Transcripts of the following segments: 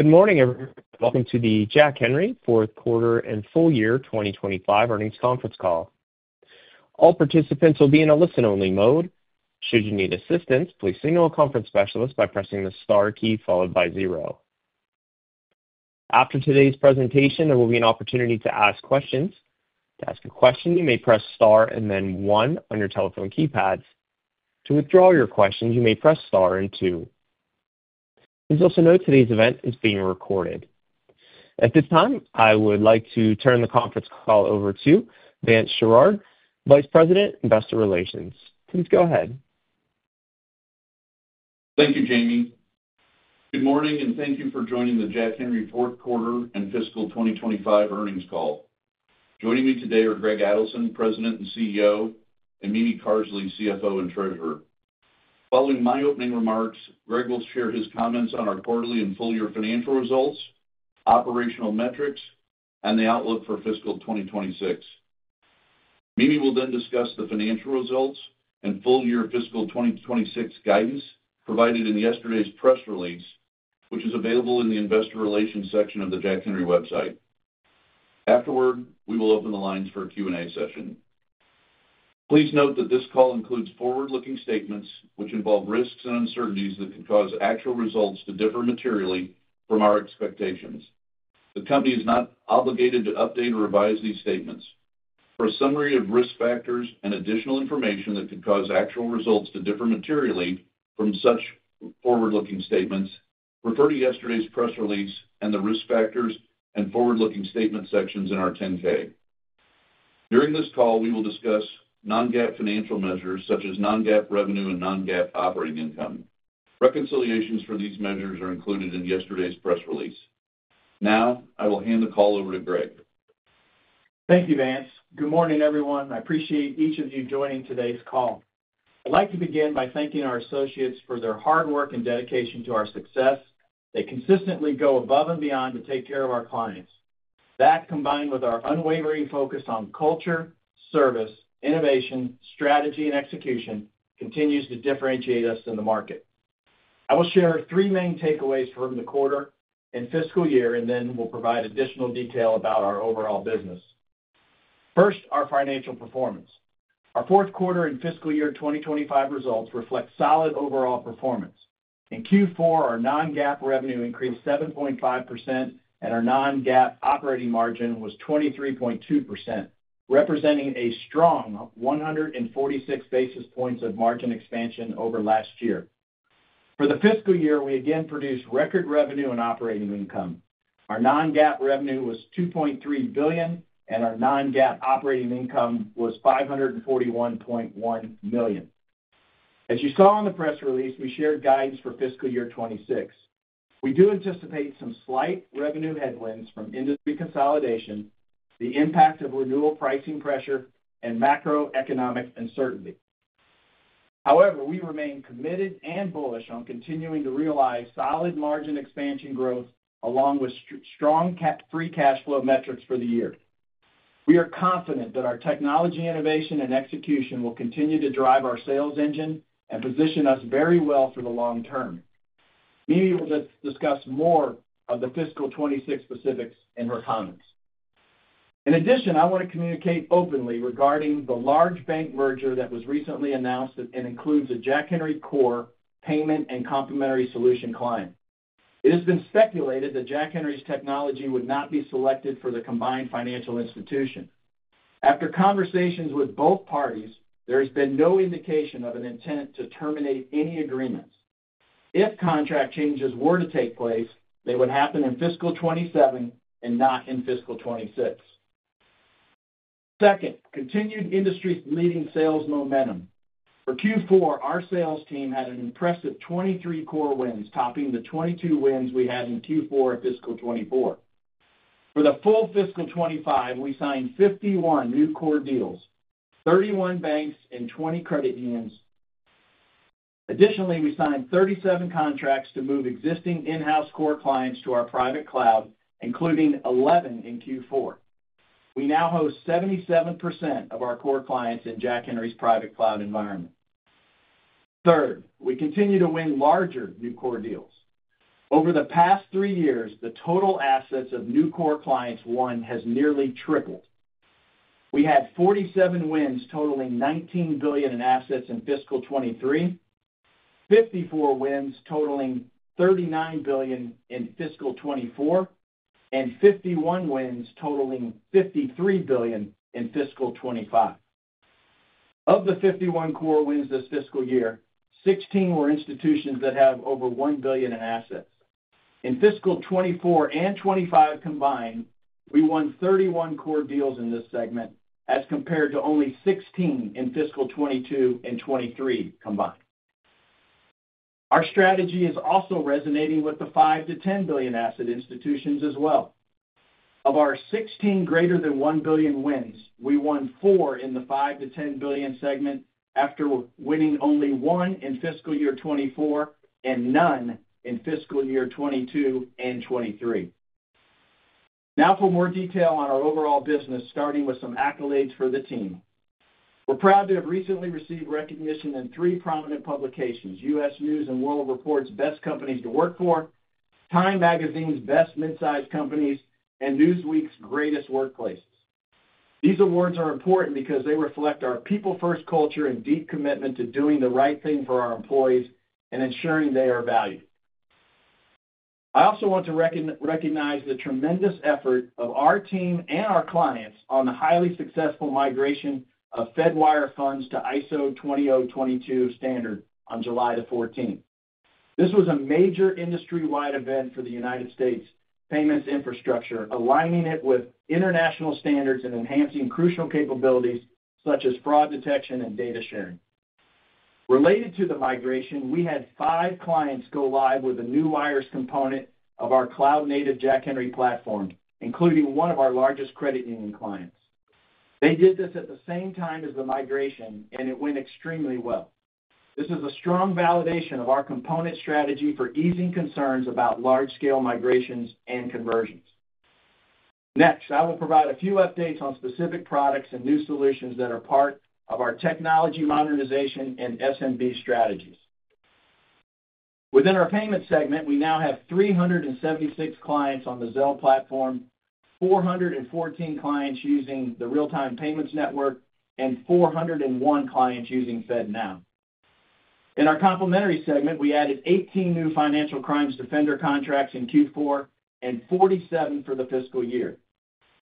Good morning everyone. Welcome to the Jack Henry Fourth Quarter and Full Year 2025 Earnings Conference Call. All participants will be in a listen-only mode. Should you need assistance, please signal a conference specialist by pressing the Star key followed by zero. After today's presentation, there will be an opportunity to ask questions. To ask a question, you may press Star and then one on your telephone keypads. To withdraw your questions, you may press Star and two. Please also note today's event is being recorded. At this time, I would like to turn the conference call over to Vance Sherrard, Vice President, Investor Relations. Please go ahead. Thank you, Jamie. Good morning and thank you for joining the Jack Henry Fourth Quarter and Fiscal 2025 Earnings Call. Joining me today are Greg Adelson, President and CEO, and Mimi Carsley, CFO, and Treasurer. Following my opening remarks, Greg will share his comments on our quarterly and full year financial results, operational metrics, and the outlook for fiscal 2026. Mimi will then discuss the financial results and full year fiscal 2026 guidance provided in yesterday's press release, which is available in the Investor Relations section of the Jack HenrY website. Afterward, we will open the lines for a Q&A session. Please note that this call includes forward-looking statements which involve risks and uncertainties that could cause actual results to differ materially from our expectations. The company is not obligated to update or revise these statements. For a summary of risk factors and additional information that could cause actual results to differ materially from such forward-looking statements, refer to yesterday's press release and the risk factors and forward-looking statement sections in our 10-K. During this call, we will discuss non-GAAP financial measures such as non-GAAP revenue and non-GAAP operating income. Reconciliations for these measures are included in yesterday's press release. Now I will hand the call over to Greg. Thank you, Vance. Good morning everyone. I appreciate each of you joining today's call. I'd like to begin by thanking our associates for their hard work and dedication to our success. They consistently go above and beyond to take care of our clients. That, combined with our unwavering focus on culture, service, innovation, strategy, and execution, continues to differentiate us in the market. I will share three main takeaways from the quarter and fiscal year and then we'll provide additional detail about our overall business. First, our financial performance. Our fourth quarter and fiscal year 2025 results reflect solid overall performance. In Q4, our non-GAAP revenue increased 7.5% and our non-GAAP operating margin was 23.2%, representing a strong 146 basis points of margin expansion over last year. For the fiscal year, we again produced record revenue and operating income. Our non-GAAP revenue was $2.3 billion and our non-GAAP operating income was $541.1 million. As you saw in the press release, we shared guidance for fiscal year 2026. We do anticipate some slight revenue headwinds from industry consolidation, the impact of renewal, pricing pressure, and macroeconomic uncertainty. However, we remain committed and bullish on continuing to realize solid margin expansion growth along with strong free cash flow metrics for the year. We are confident that our technology innovation and execution will continue to drive our sales engine and position us very well for the long term. Mimi will discuss more of the fiscal 2026 specifics in her comments. In addition, I want to communicate openly regarding the large bank merger that was recently announced and includes a Jack Henry core, payment, and complementary solution client. It has been speculated that Jack Henry's technology would not be selected for the combined financial institution. After conversations with both parties, there has been no indication of an intent to terminate any agreements. If contract changes were to take place, they would happen in fiscal 2027 and not in fiscal 2026. Second, continued industry-leading sales momentum for Q4. Our sales team had an impressive 23 core wins, topping the 22 wins we had in Q4 fiscal 2024. For the full fiscal 2025, we signed 51 new core deals, 31 banks and 20 credit unions. Additionally, we signed 37 contracts to move existing in-house core clients to our private cloud, including 11 in Q4. We now host 77% of our core clients in Jack Henry's private cloud environment. Third, we continue to win larger new core deals. Over the past three years, the total assets of new core clients has nearly tripled. We have 47 wins totaling $19 billion in assets in fiscal 2023, 54 wins totaling $39 billion in fiscal 2024, and 51 wins totaling $53 billion in fiscal 2025. Of the 51 core wins this fiscal year, 16 were institutions that have over $1 billion in assets. In fiscal 2024 and 2025 combined, we won 31 core deals in this segment as compared to only 16 in fiscal 2022 and 2023 combined. Our strategy is also resonating with the $5 billion-$10 billion asset institutions as well. Of our 16 greater than $1 billion wins, we won four in the $5 billion to $10 billion segment after winning only 1 in fiscal year 2024 and none in fiscal year 2022 and 2023. Now for more detail on our overall business, starting with some accolades for the team. We're proud to have recently received recognition in three prominent publications: U.S. News and World Report's Best Companies to Work For, Time Magazine's Best Mid Sized Companies, and Newsweek's Greatest Workplace. These awards are important because they reflect our people first culture and deep commitment to doing the right thing for our employees and ensuring they are valued. I also want to recognize the tremendous effort of our team and our clients on the highly successful migration of Fedwire Funds to ISO 20022 standard on July the 14th. This was a major industry wide event for the United States payments infrastructure, aligning it with international standards and enhancing crucial capabilities such as fraud detection and data sharing related to the migration. We had five clients go live with a new wires component of our cloud native Jack Henry platform, including one of our largest credit union clients. They did this at the same time as the migration and it went extremely well. This is a strong validation of our component strategy for easing concerns about large scale migrations and conversions. Next, I will provide a few updates on specific products and new solutions that are part of our technology modernization and SMB strategies. Within our payments segment, we now have 376 clients on the Zelle platform, 414 clients using the Real Time Payments Network, and 401 clients using FedNow. In our complementary segment, we added 18 new Financial Crimes Defender contracts in Q4 and 47 for the fiscal year.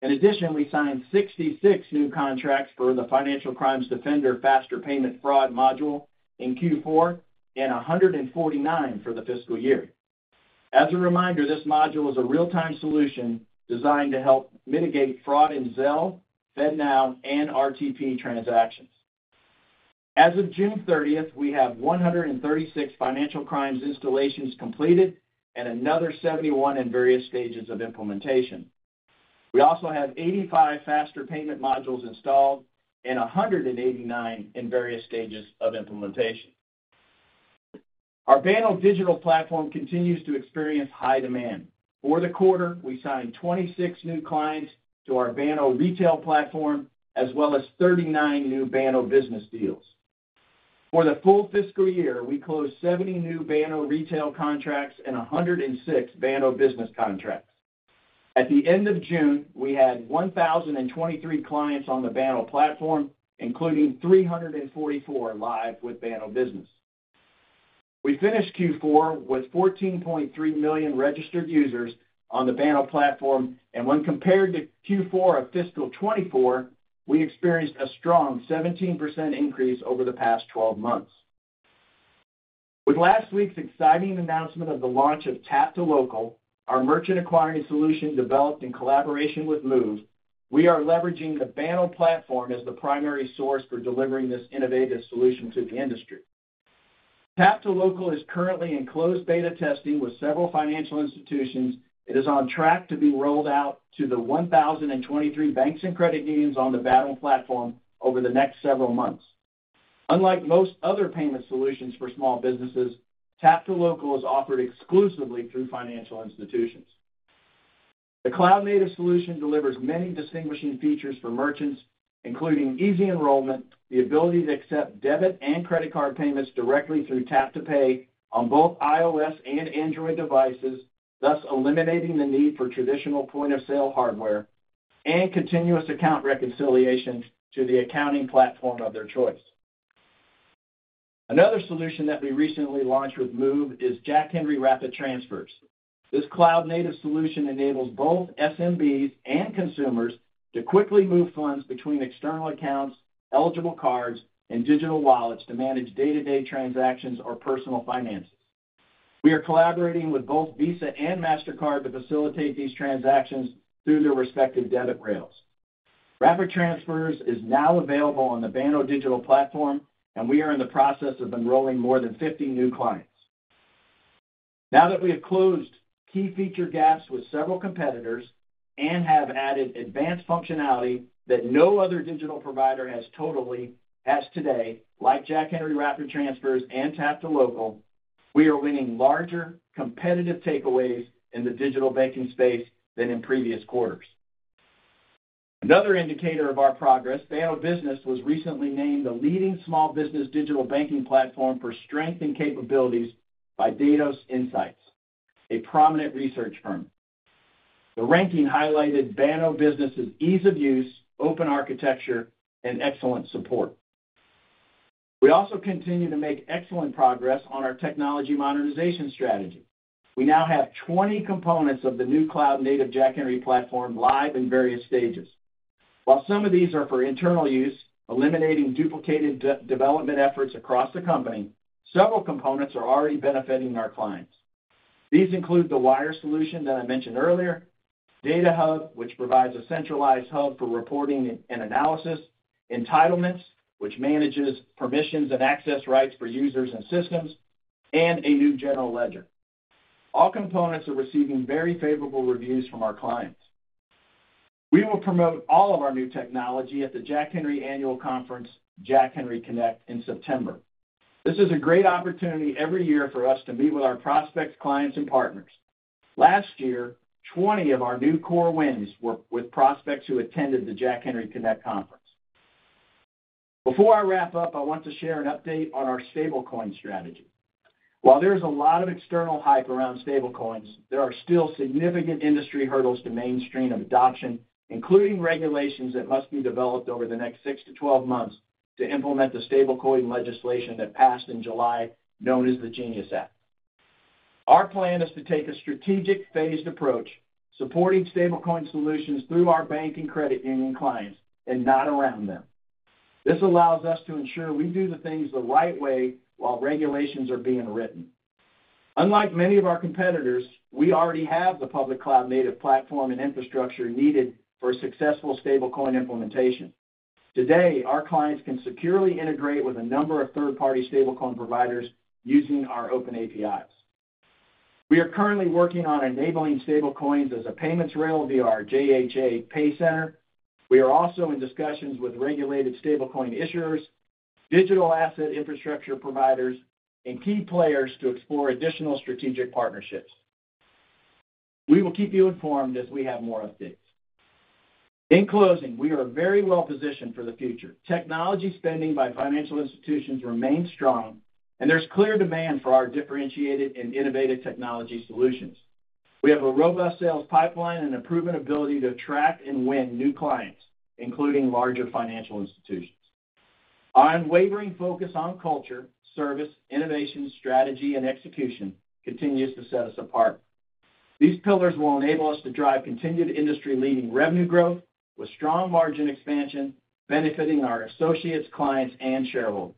In addition, we signed 66 new contracts for the Financial Crimes Defender Faster Payments fraud module in Q4 and 149 for the fiscal year. As a reminder, this module is a real time solution designed to help mitigate fraud in Zelle, FedNow, and RTP transactions. As of June 30th, we have 136 Financial Crimes Defender installations completed and another 71 in various stages of implementation. We also have 85 Faster Payments modules installed and 189 in various stages of implementation. Our Banno digital platform continues to experience high demand. For the quarter, we signed 26 new clients to our Banno retail platform as well as 39 new Banno business deals. For the full fiscal year we closed 70 new Banno retail contracts and 106 Banno business contracts. At the end of June we had 1,023 clients on the Banno platform including 344 live with Banno business. We finished Q4 with 14.3 million registered users on the Banno platform and when compared to Q4 of fiscal 2024, we experienced a strong 17% increase over the past 12 months. With last week's exciting announcement of the launch of Tap2Local, our merchant acquiring solution developed in collaboration with Moov, we are leveraging the Banno platform as the primary source for delivering this innovative solution to the industry. Tap2Local is currently in closed beta testing with several financial institutions. It is on track to be rolled out to the 1,023 banks and credit unions on the Banno platform over the next several months. Unlike most other payment solutions for small businesses, Tap2Local is offered exclusively through financial institutions. The cloud-native solution delivers many distinguishing features for merchants, including easy enrollment, the ability to accept debit and credit card payments directly through Tap to Pay on both iOS and Android devices, thus eliminating the need for traditional point of sale hardware and continuous account reconciliations to the accounting platform of their choice. Another solution that we recently launched with Moov is Jack Henry Rapid Transfers. This cloud-native solution enables both SMBs and consumers to quickly move funds between external accounts, eligible cards, and digital wallets to manage day-to-day transactions or personal finances. We are collaborating with both Visa and Mastercard to facilitate these transactions through their respective debit rails. Rapid Transfers is now available on the Banno digital platform and we are in the process of enrolling more than 50 new clients now that we have closed key feature gaps with several competitors and have added advanced functionality that no other digital provider has today. Like Jack Henry Rapid Transfers and Tap2Local, we are winning larger competitive takeaways in the digital banking space than in previous quarters. Another indicator of our progress, Banno business was recently named the leading small business digital banking platform for strength and capabilities by Datos Insights, a prominent research firm. The ranking highlighted Banno Business's ease of use, open architecture, and excellent support. We also continue to make excellent progress on our technology modernization strategy. We now have 20 components of the new cloud-native Jack Henry platform live in various stages. While some of these are for internal use, eliminating duplicated development efforts across the company, several components are already benefiting our clients. These include the Wire solution that I mentioned earlier, DataHub, which provides a centralized hub for reporting and analysis, entitlements, which manages permissions and access rights for users and systems, and a new general ledger. All components are receiving very favorable reviews from our clients. We will promote all of our new technology at the Jack Henry Annual Conference, Jack Henry Connect, in September. This is a great opportunity every year for us to meet with our prospects, clients, and partners. Last year, 20 of our new core wins were with prospects who attended the Jack Henry Connect conference. Before I wrap up, I want to share an update on our stablecoin strategy. While there is a lot of external hype around stablecoins, there are still significant industry hurdles to mainstream adoption, including regulations that must be developed over the next six to 12 months to implement the stablecoin legislation that passed in July known as the GENIUS Act. Our plan is to take a strategic phased approach, supporting stablecoin solutions through our bank and credit union clients and not around them. This allows us to ensure we do the things the right way while regulations are being written. Unlike many of our competitors, we already have the public cloud-native platform and infrastructure needed for successful stablecoin implementation. Today, our clients can securely integrate with a number of third-party stablecoin providers using our open APIs. We are currently working on enabling stablecoins as a payments rail via JHA PayCenter. We are also in discussions with regulated stablecoin issuers, digital asset infrastructure providers, and key players to explore additional strategic partnerships. We will keep you informed as we have more updates. In closing, we are very well positioned for the future. Technology spending by financial institutions remains strong, and there's clear demand for our differentiated and innovative technology solutions. We have a robust sales pipeline and a proven ability to attract and win new clients, including larger financial institutions. Our unwavering focus on culture, service, innovation, strategy, and execution continues to set us apart. These pillars will enable us to drive continued industry-leading revenue growth with strong margin expansion, benefiting our associates, clients, and shareholders.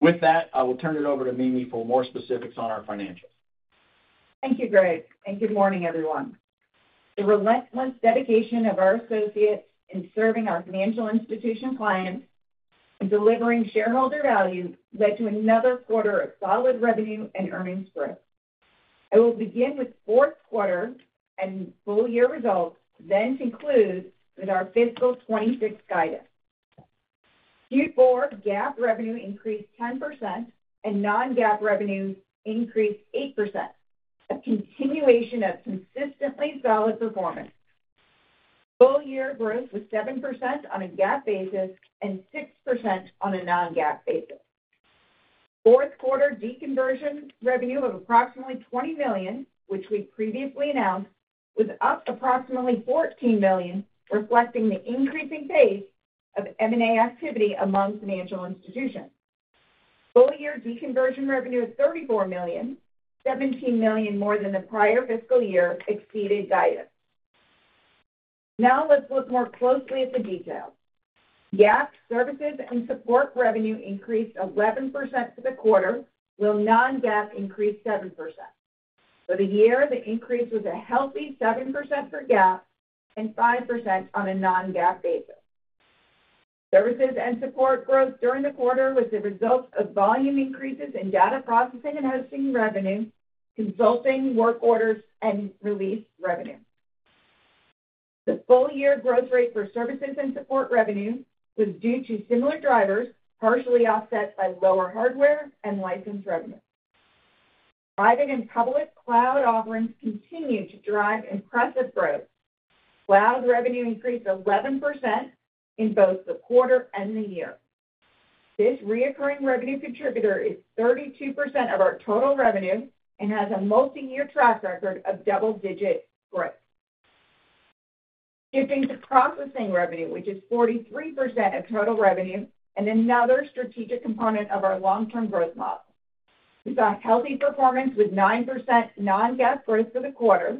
With that, I will turn it over to Mimi for more specifics on our financials. Thank you, Greg, and good morning, everyone. The relentless dedication of our associates in serving our financial institution clients, delivering shareholder value, led to another quarter of solid revenue and earnings growth. I will begin with fourth quarter and full year results, then conclude with our fiscal 2026 guidance. Q4 GAAP revenue increased 10%, and non-GAAP revenue increased 8%. Continuation of consistently solid performance, full year growth was 7% on a GAAP basis and 6% on a non-GAAP basis. Fourth quarter deconversion revenue of approximately $20 million, which we previously announced, was up approximately $14 million, reflecting the increasing pace of M&A activity among financial institutions. Full year deconversion revenue is $34 million, $17 million more than the prior fiscal year, exceeding guidance. Now let's look more closely at the details. GAAP services and support revenue increased 11% for the quarter, while non-GAAP increased 7%. For the year, the increase was a healthy 7% for GAAP and 5% on a non-GAAP basis. Services and support growth during the quarter was the result of volume increases in data processing and hosting revenue, consulting work orders, and release revenue. The full year growth rate for services and support revenue was due to similar drivers, partially offset by lower hardware and license revenue. Private and public cloud offerings continue to drive impressive growth. Cloud revenue increased 11% in both the quarter and the year. This recurring revenue contributor is 32% of our total revenue and has a multi-year track record of double-digit growth. Shifting to processing revenue, which is 43% of total revenue and another strategic component of our long-term growth model, we saw healthy performance with 9% non-GAAP growth for the quarter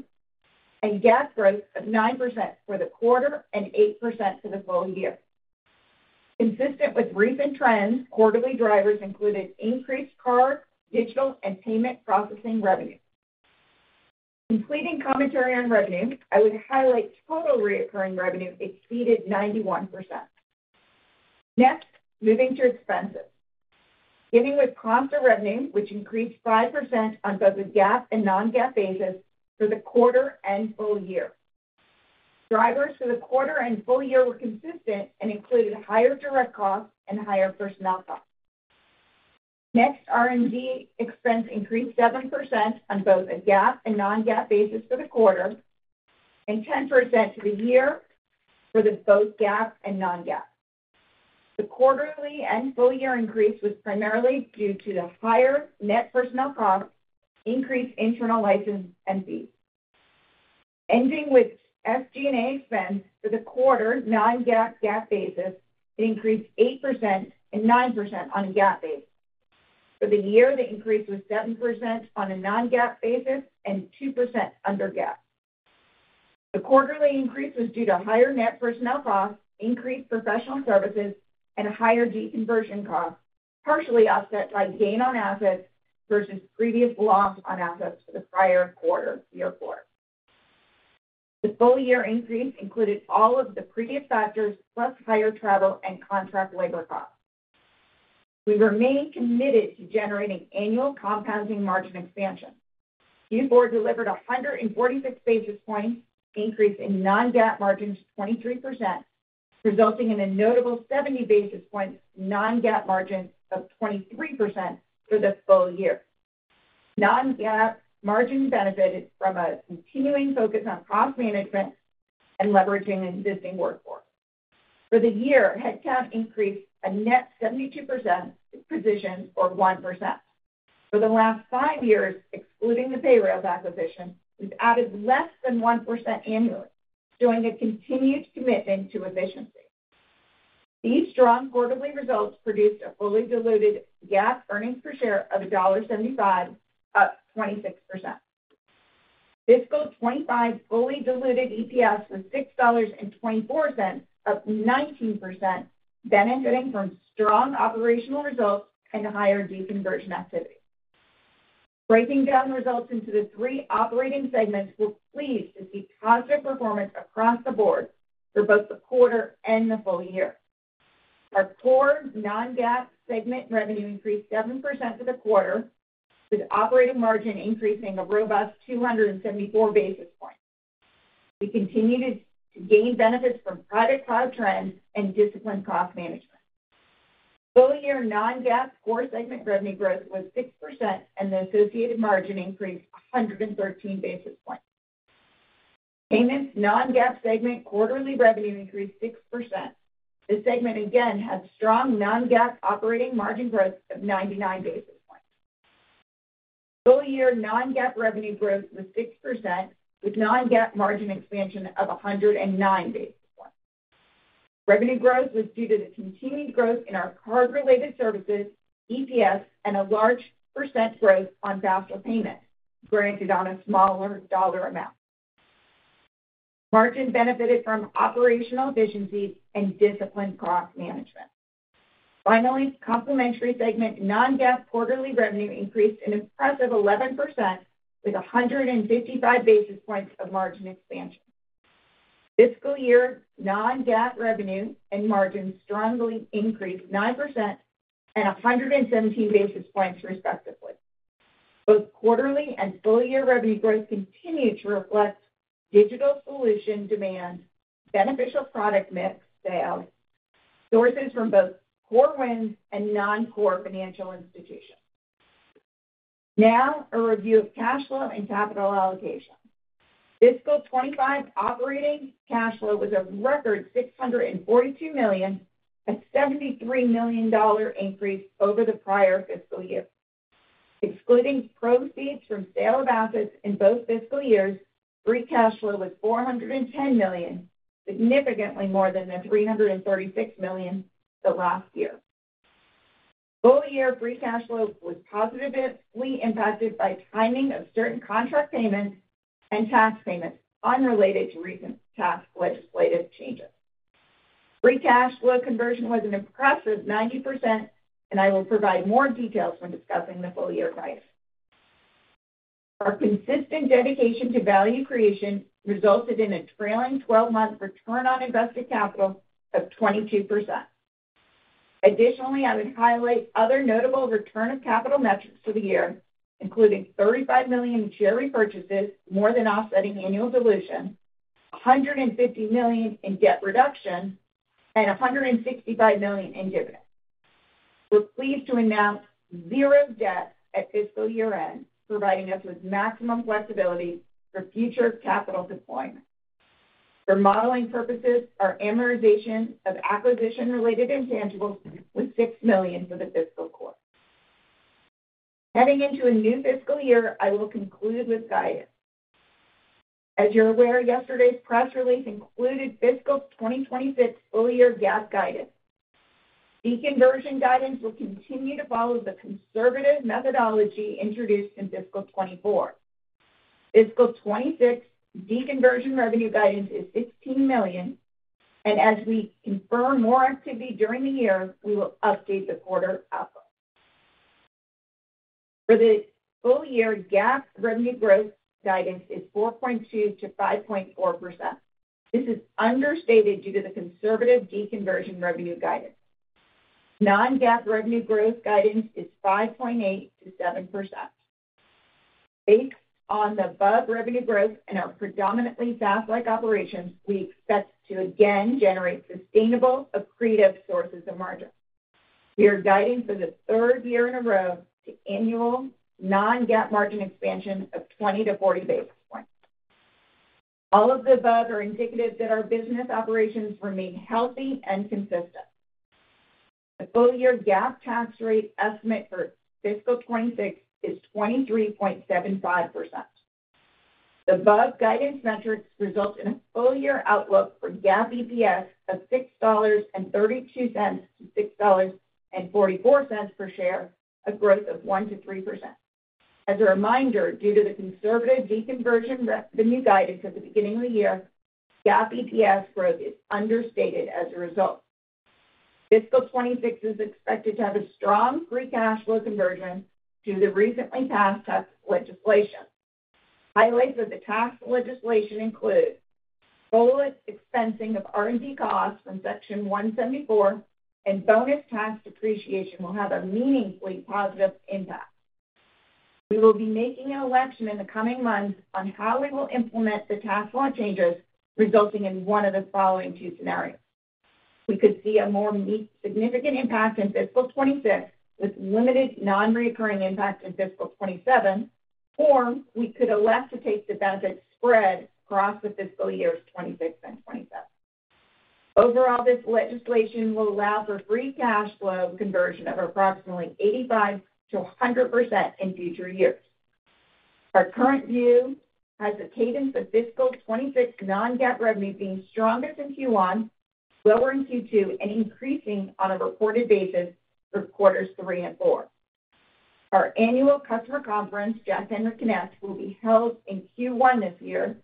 and GAAP growth of 9% for the quarter and 8% for the full year. Consistent with recent trends, quarterly drivers included increased card, digital, and payment processing revenue. Completing commentary on revenue, I would highlight total recurring revenue exceeded 91%. Next, moving to expenses, beginning with the cost of revenue, which increased 5% on both a GAAP and non-GAAP basis for the quarter and full year. Drivers for the quarter and full year were consistent and included higher direct costs and higher personnel costs. Next, R&D expense increased 7% on both a GAAP and non-GAAP basis for the quarter and 10% for the year for both GAAP and non-GAAP. The quarterly and full year increase was primarily due to the higher net personnel costs, increased internal license and fees ending with SG&A spend. For the quarter, non-GAAP basis increased 8% and 9% on a GAAP basis. For the year the increase was 7% on a non-GAAP basis and 2% under GAAP. The quarterly increase was due to higher net personnel costs, increased professional services, and higher deconversion costs, partially offset by gain on assets versus previous loss on assets for the prior quarter. The full year increase included all of the previous factors plus higher travel and contract labor costs. We remain committed to generating annual compounding margin expansion. Used board delivered 146 basis point increase in non-GAAP margins 23%, resulting in a notable 70 basis point non-GAAP margin of 23% for the full year. Non-GAAP margin benefited from a continuing focus on cost management and leveraging existing workforce for the year. Head GAAP increased a net 72% position or 1% for the last five years. Including the payroll deficiency, we've added less than 1% annually, showing a continued commitment to efficiency. These strong quarterly results produced a fully diluted GAAP earnings per share of $1.75, up 26%. Fiscal 2025 fully diluted EPS was $6.24, up 19%, benefiting from strong operational results and higher deconversion activity. Breaking down the results into the three operating segments, we were pleased to see positive performance across the board for both the quarter and the full year. Our core non-GAAP segment revenue increased 7% for the quarter, with operating margin increasing a robust 274 basis points. We continue to gain benefits from private cloud trends and disciplined cost management. Full year non-GAAP core segment revenue growth was 6%, and the associated margin increased 113 basis points. Payments non-GAAP segment quarterly revenue increased 6%. This segment again had strong non-GAAP operating margin growth of 99 basis points. Full year non-GAAP revenue growth was 6% with non-GAAP margin expansion of 109 basis points. Revenue growth was due to the continued growth in our card related services, EPS, and a large percent growth on Faster Payments granted on a smaller dollar amount. Margin benefited from operational efficiencies and disciplined cost management. Finally, complementary segment non-GAAP quarterly revenue increased an impressive 11% with 155 basis points of margin expansion. Fiscal year non-GAAP revenue and margins strongly increased 9% and 117 basis points, respectively. Both quarterly and full year revenue growth continue to reflect digital volition demand, beneficial product mix, sales sources from both core wins and non-core financial institutions. Now a review of cash flow and capital allocation. Fiscal 2025 operating cash flow was a record $642 million, a $73 million increase over the prior fiscal year. Excluding proceeds from sale of assets in both fiscal years, free cash flow was $410 million, significantly more than the $336 million last year. Full year free cash flow was positively impacted by timing of certain contract payments and tax payments unrelated to recent tax legislative changes. Free cash flow conversion was an impressive 90%, and I will provide more details when discussing the full year price. Our consistent dedication to value creation resulted in a sprawling 12-month return on invested capital of 22%. Additionally, I would highlight other notable return of capital metrics for the year, including $35 million in share repurchases, more than offsetting annual dilution, $150 million in debt reduction, and $165 million in dividends. We're pleased to announce zero debt at fiscal year end, providing us with maximum flexibility for future capital deployment. For modeling purposes, our amortization of acquisition-related intangibles was $6 million for the fiscal quarter. Heading into a new fiscal year, I will conclude with guidance. As you're aware, yesterday's press release included fiscal 2026 full year GAAP guidance. Deconversion guidance will continue to follow the conservative methodology introduced in fiscal 2024. Fiscal 2026 deconversion revenue guidance is $15 million, and as we confirm more activity during the year, we will update the quarter outlook. For the full year, GAAP revenue growth guidance is 4.2%-5.4%. This is understated due to the conservative deconversion revenue guidance. Non-GAAP revenue growth guidance is 5.8%-7%. Based on the above revenue growth in our predominantly SaaS-like operations, we expect to again generate sustainable accretive sources of margin. We are guiding for the third year in a row to annual non-GAAP margin expansion of 20-40 basis points. All of the above are indicative that our business operations remain healthy and consistent. The full year GAAP tax rate estimate for fiscal 2026 is Overall, this legislation will allow for free cash flow conversion of approximately 85%-100% in future years. Our current view has a cadence of fiscal 2026 non-GAAP revenue being strongest in Q1, lower in Q2, and increasing on a reported basis for quarters 3 and 4. Our annual customer conference, Jack Henry Connect, will be held in Q1 this year,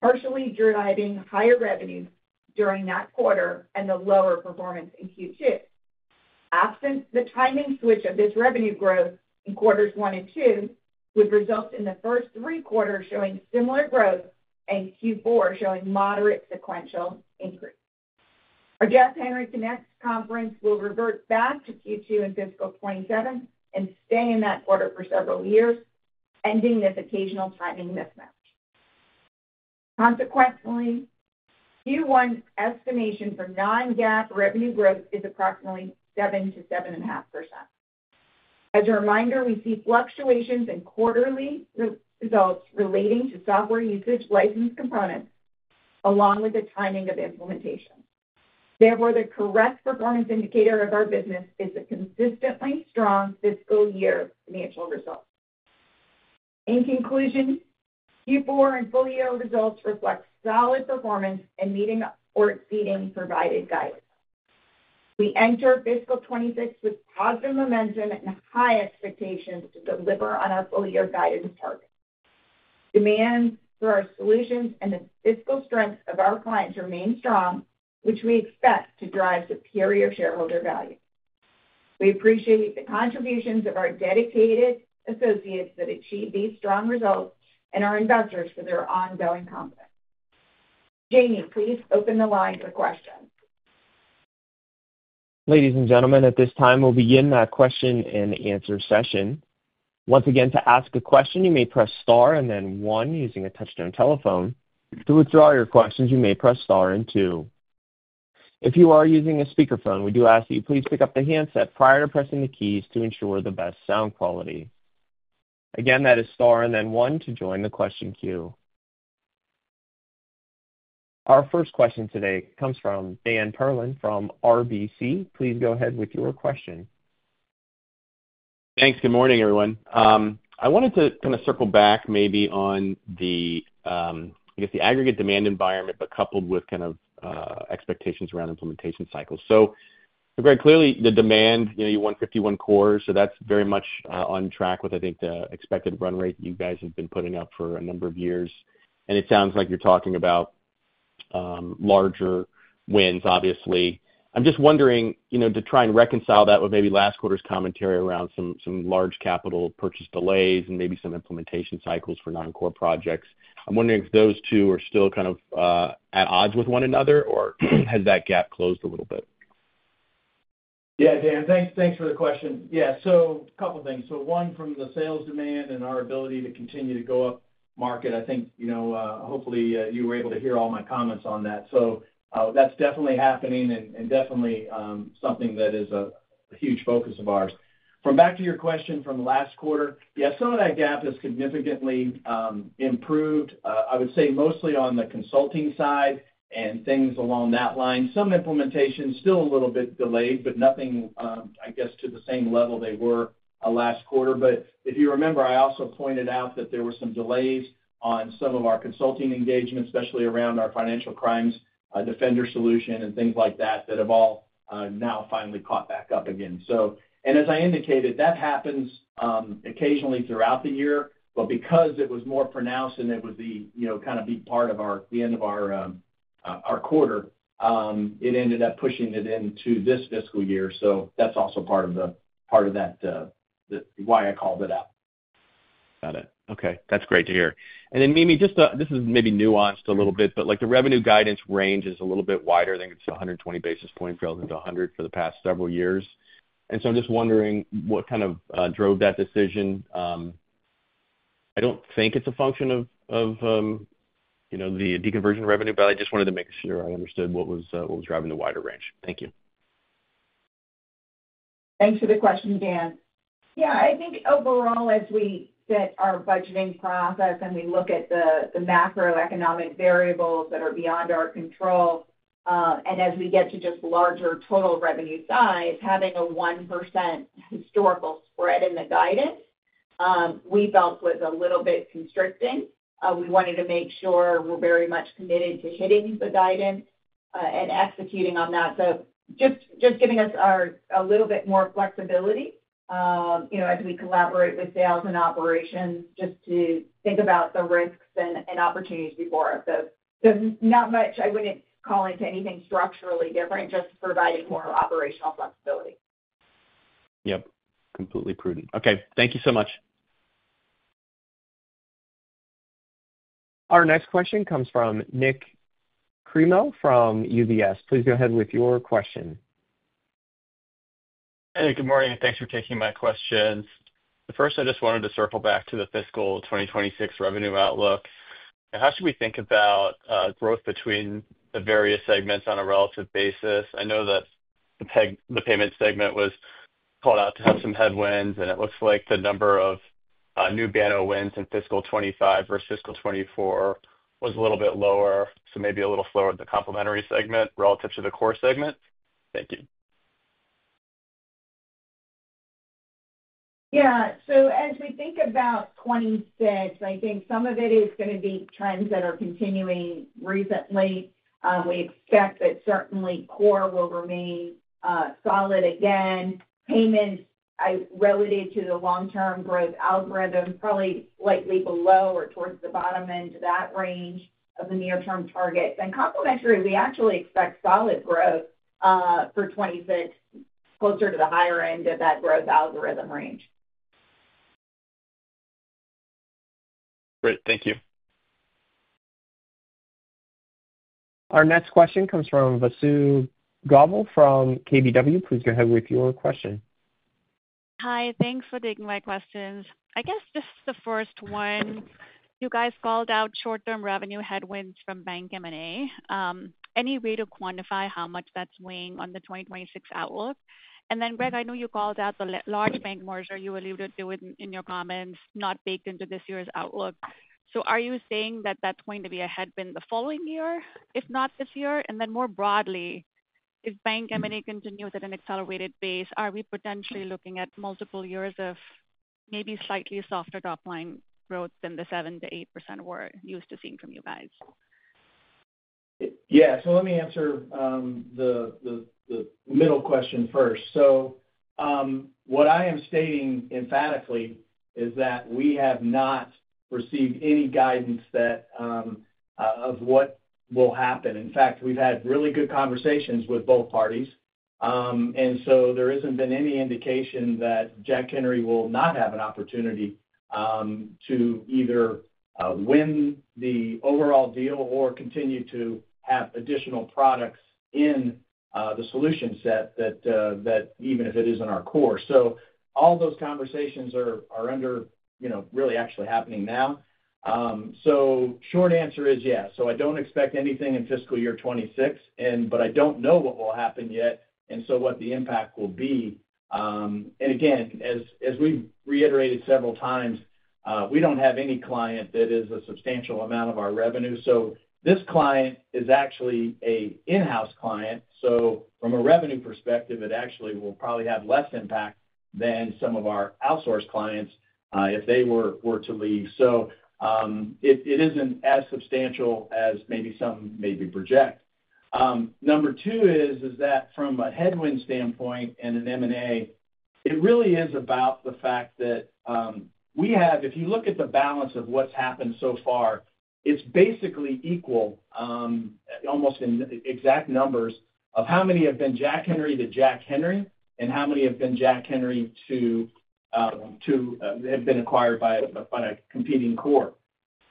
partially driving higher revenue during that quarter and the lower performance in Q2, absent the timing switch of this revenue growth in quarters 1 and 2, which results in the first 3 quarters showing similar growth and Q4 showing moderate sequential increase. Our Jack Henry Connect conference will revert back to Q2 in fiscal 2027 and stay in that quarter for several years, ending this occasional timing mismatch. Consequent Q1 estimation for non-GAAP revenue growth is approximately 7%-7.5%. As a reminder, we see fluctuations in quarterly results relating to software usage license components along with the timing of implementation. Therefore, the correct performance indicator of our business is the consistently strong fiscal year financial results. In conclusion, Q4 and full year results reflect solid performance and meeting or exceeding provided guidance. We enter fiscal 2026 with positive momentum and high expectations to deliver on our full year guidance. Target demand for our solutions and the fiscal strength of our clients remain strong, which we expect to drive superior shareholder value. We appreciate the contributions of our dedicated associates that achieve these strong results and our investors for their ongoing support. Jamie, please open the line for questions. Ladies and gentlemen, at this time we'll begin the question-and-answer session. Once again, to ask a question you may press Star and then one using a touch-tone telephone. To withdraw your questions you may press Star and two. If you are using a speakerphone, we do ask that you please pick up the handset prior to pressing the keys to ensure the best sound quality. Again, that is Star and then one to join the question queue. Our first question today comes from Dan Perlin RBC Capital Markets. Please go ahead with your question. Thanks. Good morning everyone. I wanted to kind of circle back maybe on the, I guess, the aggregate demand environment, but coupled with kind of expectations around implementation cycles. Greg, clearly the demand, you won 51 cores, so that's very much on track with, I think, the expected run rate you guys have been putting up for a number of years. It sounds like you're talking about larger wins. Obviously, I'm just wondering to try and reconcile that with maybe last quarter's commentary around some large capital purchase delays and maybe some implementation cycles for non-core projects. I'm wondering if those two are still kind of at odds with one another or has that gap closed a little bit? Yeah, Dan, thanks for the question. A couple things. One, from the sales demand and our ability to continue to go up market, I think, you know, hopefully you were able to hear all my comments on that. That's definitely happening and definitely something that is a huge focus of ours. Back to your question from last quarter, that gap has significantly improved, I would say mostly on the consulting side and things along that line. Some implementation is still a little bit delayed, but nothing, I guess, to the same level they were last quarter. If you remember, I also pointed out that there were some delays on some of our consulting engagement, especially around our Financial Crimes Defender solution and things like that that have all now finally caught back up again. As I indicated, that happens occasionally throughout the year, but because it was more pronounced and it was part of the end of our quarter, it ended up pushing it into this fiscal year. That's also part of why I called it out. Got it. Okay, that's great to hear. Mimi, just this is maybe nuanced a little bit, but the revenue guidance range is a little bit wider. I think it's 120 basis points, goes into 100 basis points for the past several years. I'm just wondering what kind of drove that decision. I don't think it's a function of the deconversion revenue. I just wanted to make sure I understood what was driving the wider range. Thank you. Thanks for the question, Dan. Yeah, I think overall, as we fit our budgeting process and we look at the macroeconomic variables that are beyond our control and as we get to just larger total revenue size, having a 1% historical spread in the guidance we felt was a little bit constricting. We wanted to make sure we're very much committed to hitting the guidance and executing on that. Just giving us a little bit more flexibility, you know, as we collaborate with sales and operations, just to think about the risks and opportunities before of those. There's not much I wouldn't call into anything structurally different. Just providing more operational flexibility. Yep, completely prudent. Okay, thank you so much. Our next question comes from Nik Cremo from UBS. Please go ahead with your question. Hey, good morning and thanks for taking my questions. First, I just wanted to circle back to the fiscal 2026 revenue outlook. How should we think about growth between the various segments on a relative basis? I know that the payment segment was called out to have some headwinds. It looks like the number of new Banno wins in fiscal 2025 versus fiscal 2024 was a little bit lower, maybe a little slower in the complementary segment relative to the core segment. Thank you. Yeah, as we think about 2026, I think some of it is going to be 2020 trends that are continuing recently. We expect that certainly core will remain solid again. Payments relative to the long-term growth algorithm, probably slightly below or towards the bottom end of that range of the near-term target and complementary. We actually expect solid growth for 2026 closer to the higher end of that growth algorithm range. Great, thank you. Our next question comes from Vasu Govil from KBW. Please go ahead with your question. Hi, thanks for taking my questions. I guess this is the first one you guys called out. Short term revenue headwinds from bank M&A. Any way to quantify how much that's weighing on the 2026 outlook? Greg, I know you called out the large bank merger you alluded to in your comments not baked into this year's outlook. Are you saying that that's going to be a headwind the following year, if not this year? More broadly, if bank M&A continues at an accelerated pace, are we potentially looking at multiple years of maybe slightly softer top line growth than the 7%-8% we're used to seeing from you guys? Yeah. Let me answer the middle question first. What I am stating emphatically is that we have not received any guidance of what will happen. In fact, we've had really good conversations with both parties. There hasn't been any indication that Jack Henry will not have an opportunity to either win the overall deal or continue to have additional products in the solution set, even if it isn't our core. All those conversations are actually happening now. The short answer is yeah, I don't expect anything in fiscal year 2026, but I don't know what will happen yet and what the impact will be. Again, as we reiterated several times, we don't have any client that is a substantial amount of our revenue. This client is actually an in-house client, so from a revenue perspective, it probably will have less impact than some of our outsourced clients if they were to leave. It isn't as substantial as maybe some, maybe project number two is that from a headwind standpoint and M&A, it really is about the fact that if you look at the balance of what's happened so far, it's basically equal almost in exact numbers of how many have been Jack Henry to Jack Henry and how many have been Jack Henry that have been acquired by a competing core.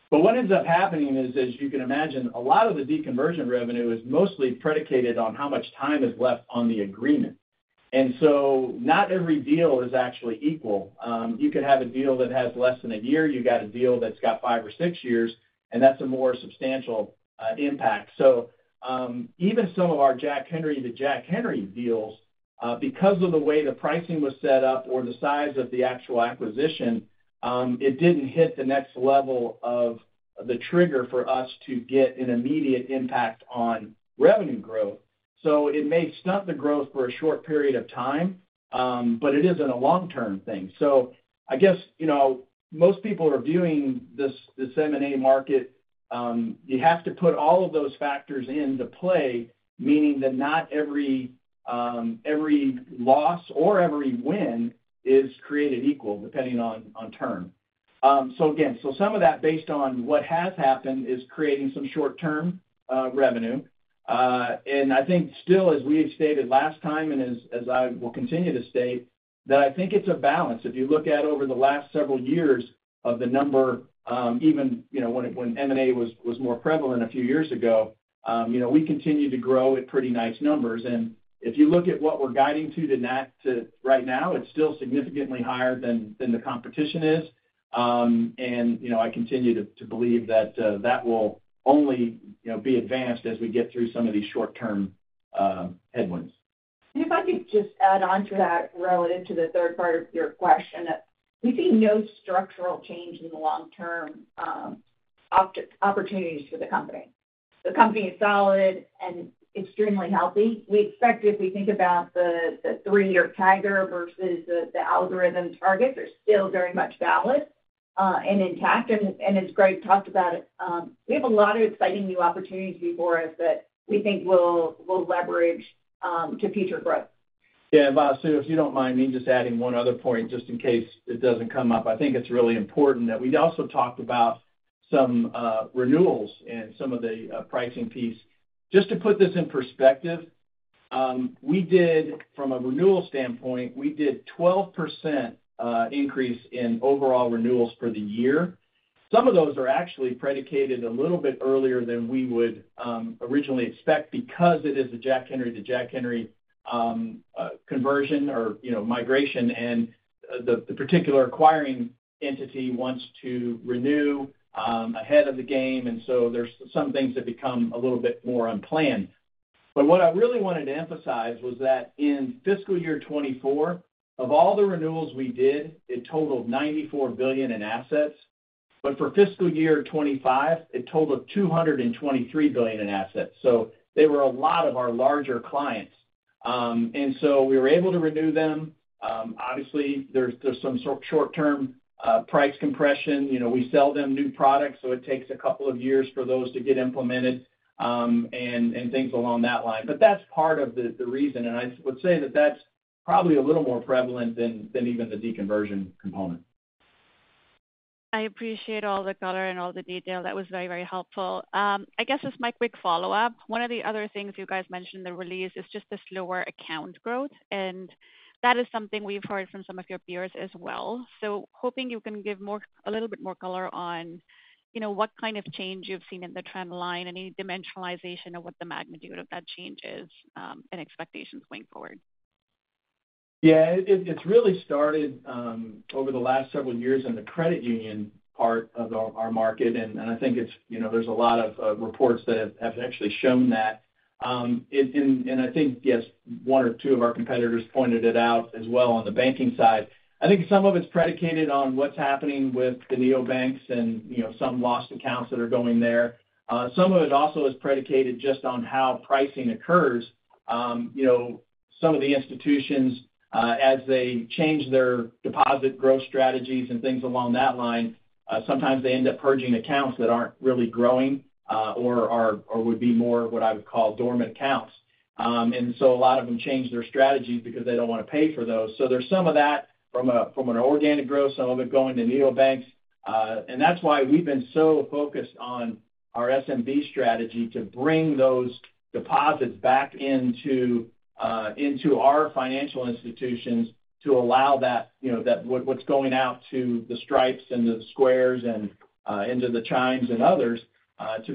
What ends up happening is, as you can imagine, a lot of the deconversion revenue is mostly predicated on how much time is left on the agreement. Not every deal is actually equal. You could have a deal that has less than a year, you could have a deal that's got five or six years, and that's a more substantial impact. Even some of our Jack Henry to Jack Henry deals, because of the way the pricing was set up or the size of the actual acquisition, didn't hit the next level of the trigger for us to get an immediate impact on revenue growth. It may stunt the growth for a short period of time, but it isn't a long-term thing. Most people are viewing this disseminated market, you have to put all of those factors into play, meaning that not every loss or every win is created equal depending on turn. Some of that based on what has happened is creating some short-term revenue. I think still as we stated last time and as I will continue to state, I think it's a balance if you look at over the last several years of the number, even when M&A was more prevalent a few years ago, we continue to grow at pretty nice numbers. If you look at what we're guiding to the net right now, it's still significantly higher than the competition is. I continue to believe that will only be advanced as we get through some of these short term headwinds. If I could just add on to that relative to the third part of your question, we see no structural change in the long-term opportunities for the company. The company is solid and extremely healthy. We expect if we think about the three-year target versus the algorithm, targets are still very valid and intact. As Greg Adelson talked about, we have a lot of exciting new opportunities before us that we think will leverage to future growth. Yeah. Vasu, if you don't mind me just adding one other point just in case it doesn't come up, I think it's really important that we also talked about some renewals and some of the pricing piece. Just to put this in perspective, we did, from a renewal standpoint, a 12% increase in overall renewals for the year. Some of those are actually predicated a little bit earlier than we would originally expect because it is a Jack Henry to Jack Henry conversion or, you know, migration and the particular acquiring entity wants to renew ahead of the game. There are some things that become a little bit more unplanned. What I really wanted to emphasize was that in fiscal year 2024, of all the renewals we did, it totaled $94 billion in assets. For fiscal year 2025, it totaled $223 billion in assets. They were a lot of our larger clients and we were able to renew them. Obviously, there's some short term price compression. We sell them new products so it takes a couple of years for those to get implemented and things along that line. That's part of the reason and I would say that that's probably a little more prevalent than even the deconversion component. I appreciate all the color and all the detail. That was very, very helpful. I guess as my quick follow-up, one of the other things you guys mentioned in the release is just the slower account growth, and that is something we've heard from some of your peers as well. Hoping you can give more, a little bit more color on what kind of change you've seen in the trend line, any dimensionalization of what the magnitude of that change is, and expectations going forward. Yeah, it really started over the last several years in the credit union part of our market. I think it's, you know, there's a lot of reports that have actually shown that and I think, yes, one or two of our competitors pointed it out as well. On the banking side, I think some of it's predicated on what's happening with the neobanks and, you know, some lost accounts that are going there. Some of it also is predicated just on how pricing occurs. You know, some of the institutions, as they change their deposit growth strategies and things along that line, sometimes they end up purging accounts that aren't really growing or would be more what I would call dormant accounts. A lot of them change their strategies because they don't want to pay for those. There's some of that from an organic growth, some of it going to neobanks. That's why we've been so focused on our SMB strategy to bring those deposits back into our financial institutions to allow that, you know, that what's going out to the Stripes and the Squares and into the Chimes and others to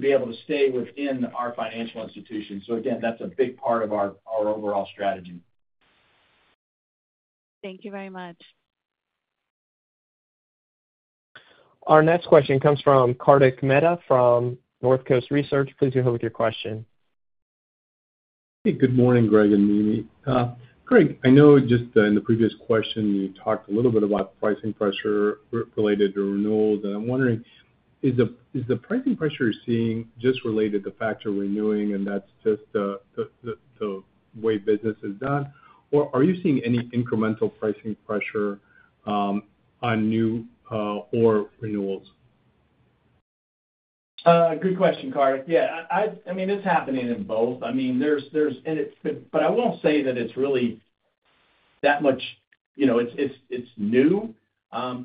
be able to stay within our financial institutions. Again, that's a big part of our overall strategy. Thank you very much. Our next question comes from Kartik Mehta from Northcoast Research. Please go ahead with your question. Hey, good morning, Greg and Mimi. I know just in the previous question you talked a little bit about pricing pressure related to renewals. I'm wondering, is the pricing pressure you're seeing just related to the fact that renewals are happening and that's just the way business is done, or are you seeing any incremental pricing pressure on new or renewal? Good question. Yeah, I mean, it's happening in both. I won't say that it's really that much. It's new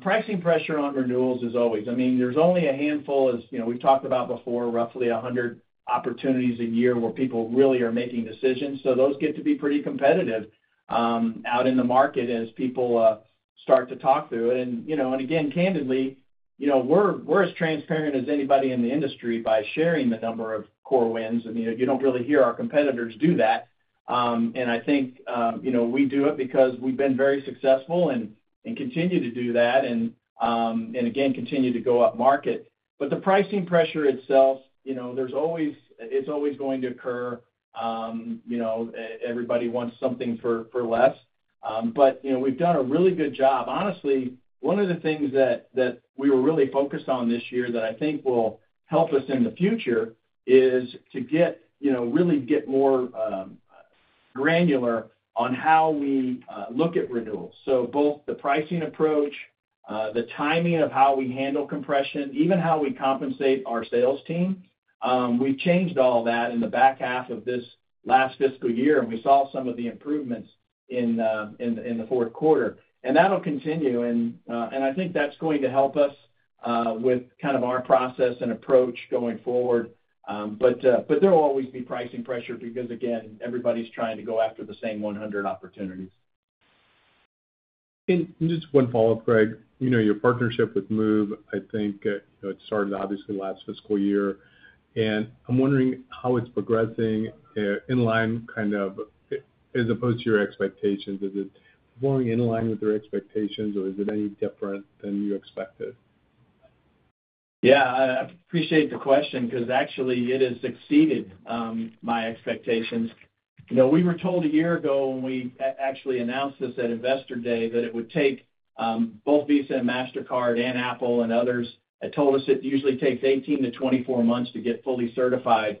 pricing pressure on renewals, as always. There's only a handful, as you know, we've talked about before, roughly 100 opportunities a year where people really are making decisions. Those get to be pretty competitive out in the market as people start to talk through it. Again, candidly, we're as transparent as anybody in the industry by sharing the number of core wins. You don't really hear our competitors do that. I think we do it because we've been very successful and continue to do that and continue to go up market. The pricing pressure itself, it's always going to occur. Everybody wants something for less. We've done a really good job, honestly. One of the things that we were really focused on this year that I think will help us in the future is to get more granular on how we look at renewals. Both the pricing approach, the timing of how we handle compression, even how we compensate our sales team, we changed all that in the back half of this last fiscal year, and we saw some of the improvements in the fourth quarter, and that'll continue. I think that's going to help us with our process and approach going forward. There will always be pricing pressure because everybody's trying to go after the same 100 opportunities. Just one follow up, Greg. Your partnership with Moov, I think it started obviously last fiscal year, and I'm wondering how it's progressing in line, kind of as opposed to your expectations. Is it going in line with your expectations or is it any different than you expected? Yeah, I appreciate the question, because actually it has exceeded my expectations. We were told a year ago when we actually announced this at Investor Day that it would take both Visa and Mastercard, and Apple and others told us it usually takes 18-24 months to get fully certified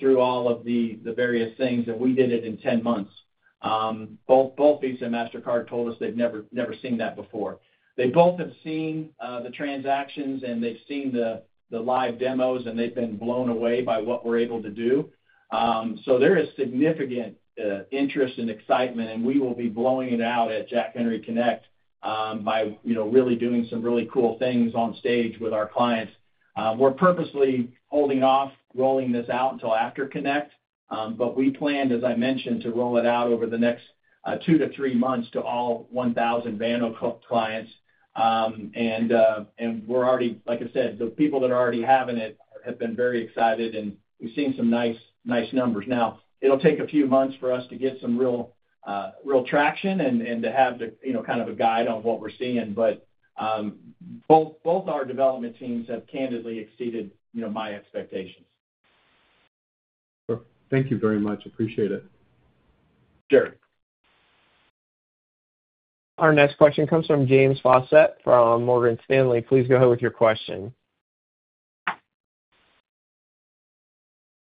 through all of the various things, and we did it in 10 months. Both Visa and Mastercard told us they've never seen that before. They both have seen the transactions and they've seen the live demos, and they've been blown away by what we're able to do. There is significant interest and excitement, and we will be blowing it out at Jack Henry Connect by really doing some really cool things on stage with our clients. We're purposely holding off rolling this out until after Connect, but we planned, as I mentioned, to roll it out over the next two to three months to all 1,000 Banno clients. We're already, like I said, the people that are already having it have been very excited and we've seen some nice, nice numbers. It will take a few months for us to get some real, real traction and to have kind of a guide on what we're seeing. Both our development teams have candidly exceeded my expectations. Thank you very much. Appreciate it. Sure. Our next question comes from James Faucette from Morgan Stanley. Please go ahead with your question.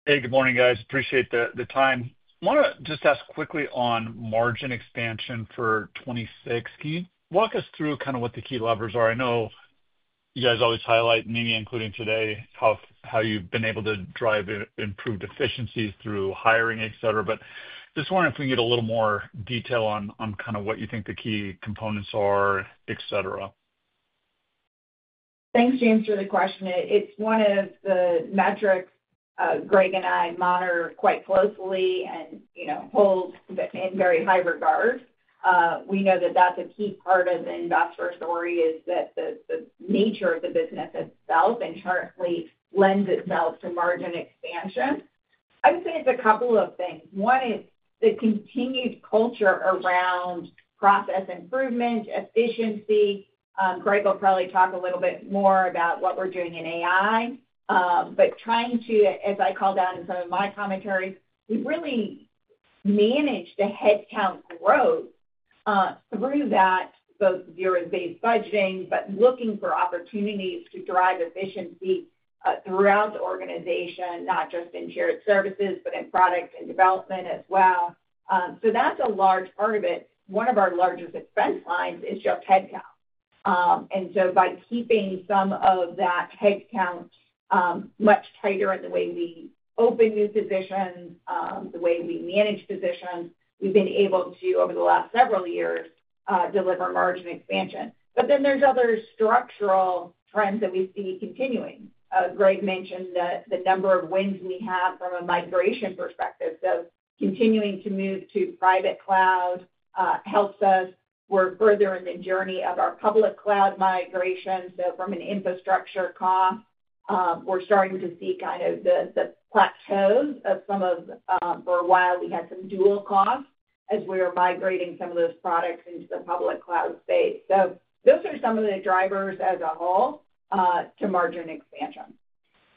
Hey, good morning guys. Appreciate the time. I want to just ask quickly on margin expansion for 2016, walk us through kind of what the key levers are. I know you guys always highlight me, including today, how you've been able to drive improved efficiencies through hiring, et cetera, but just wondering if we can get a little more detail on what you think the key components are, et cetera. Thanks, James, for the question. It's one of the metrics Greg and I monitor quite closely and hold in very high regard. We know that that's a key part of the investor story, that the nature of the business itself currently lends itself to margin expansion. I would say it's a couple of things. One is the continued culture around process improvement efficiency. Greg will probably talk a little bit more about what we're doing in AI, but trying to, as I called out in some of my commentary, really manage the headcount growth through that. Both zero-based budgeting, but looking for opportunities to drive efficiency throughout the organization, not just in shared services, but in product and development as well. That's a large part of it. One of our largest expense lines is just headcount. By keeping some of that headcount much tighter in the way we open new positions, the way we manage positions, we've been able to, over the last several years, deliver margin expansion. There are other structural trends that we see continuing. Greg mentioned the number of wins we have from a migration perspective. Continuing to move to private cloud helps us work further in the journey of our public cloud migration. From an infrastructure cost perspective, we're starting to see kind of the plateaus. For a while, we had some dual costs as we were migrating some of those products into the public cloud space. Those are some of the drivers as a whole to margin expansion.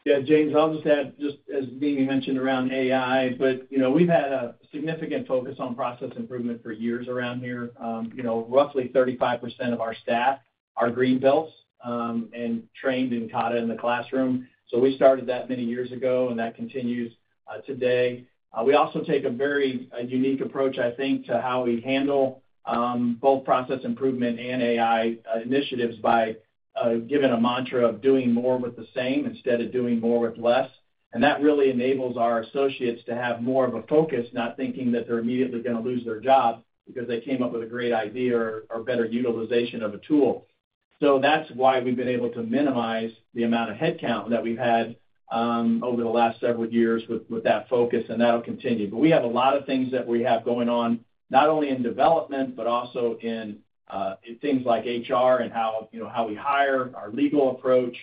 Yeah, James, I'll just add just as Mimi mentioned around AI, but you know, we've had a significant focus on process improvement for years around here. You know, roughly 35% of our staff are green belts and trained and taught in the classroom. We started that many years ago and that continues today. We also take a very unique approach, I think, to how we handle both process improvement and AI initiatives by giving a mantra of doing more with the same instead of doing more with less. That really enables our associates to have more of a focus, not thinking that they're immediately going to lose their job because they came up with a great idea or better utilization of a tool. That's why we've been able to minimize the amount of headcount that we've had over the last several years with that focus and that'll continue. We have a lot of things that we have going on not only in development but also in things like HR and how we hire, our legal approach,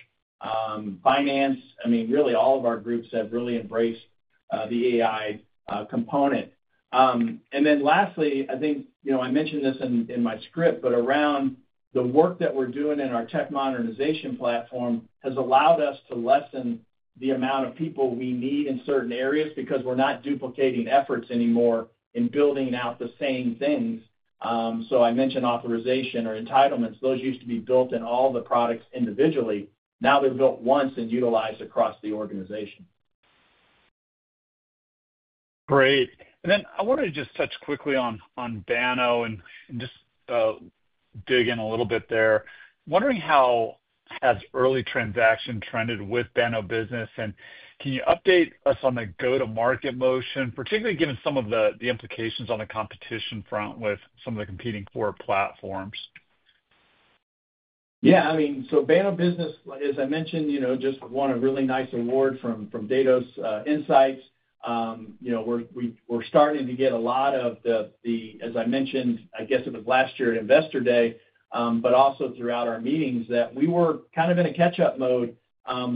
finance. I mean, really all of our groups have really embraced the AI component. Lastly, I think, you know, I mentioned this in my script, but around the work that we're doing in our tech modernization platform has allowed us to lessen the amount of people we need in certain areas because we're not duplicating efforts anymore in building out the same things. I mentioned authorization or entitlements. Those used to be built in all the products individually. Now they're built once and utilized across the organization. Great. I want to just touch quickly on Banno and just dig in a little bit there. Wondering how as early transaction trended with Banno business and can you update us on the go to market motion, particularly given some of the implications on the competition front with some of the competing four platforms? Yeah, I mean, so Banno business, as I mentioned, just won a really nice award from Dados Insights. We're starting to get a lot of the, as I mentioned, I guess it was last year at investor day, but also throughout our meetings that we were kind of in a catch up mode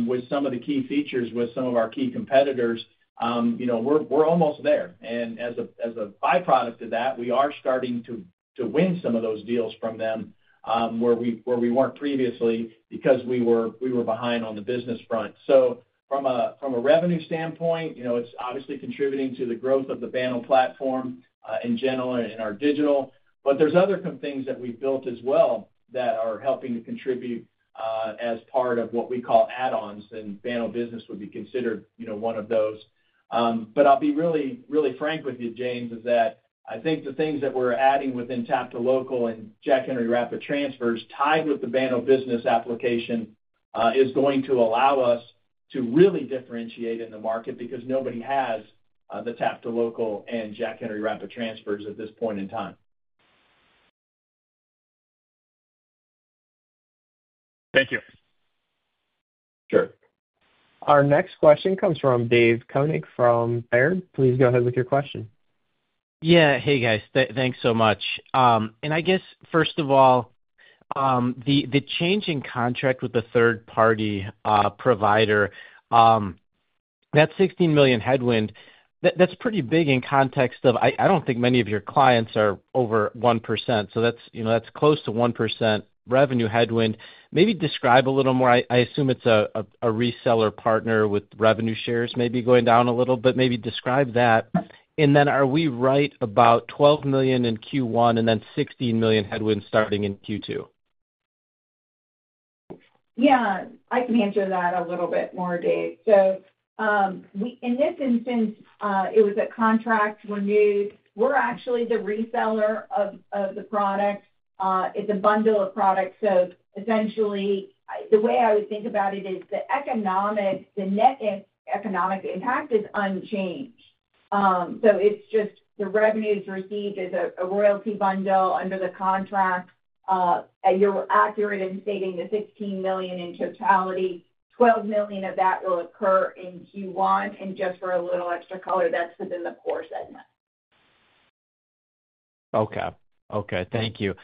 with some of the key features with some of our key competitors. We're almost there and as a byproduct of that, we are starting to win some of those deals from them where we weren't previously because we were behind on the business front. From a revenue standpoint, you know, it's obviously contributing to the growth of the Banno digital platform in general in our digital. There are other things that we've built as well that are helping to contribute as part of what we call add-ons, and Banno business would be considered one of those. I'll be really, really frank with you, James, I think the things that we're adding within Tap2Local and Jack Henry Rapid Transfers tied with the Banno business application are going to allow us to really differentiate in the market because nobody has the Tap2Local and Jack Henry Rapid Transfers at this point in time. Thank you. Our next question comes from Dave Koning from Baird. Please go ahead with your question. Yeah, hey guys, thanks so much. I guess first of all, the change in contract with the third party provider, that $16 million headwind, that's pretty big in context of I don't think many of your clients are over 1%. That's close to a 1% revenue headwind. Maybe describe a little more. I assume it's a reseller partner with revenue shares maybe going down a little bit. Maybe describe that. Are we right about $12 million in Q1 and then $16 million headwinds starting in Q2? I can answer that a little bit more, Dave. In this instance, it was that contracts were new. We're actually the reseller of the product. It's a bundle of products. Essentially, the way I think about it is the net economic impact is unchanged. It's just the revenues received as a royalty bundle under the contract. You're accurate in saying the $15 million in totality, $12 million of that will occur in Q1. For a little extra color, that's within the core segment. Okay, thank you.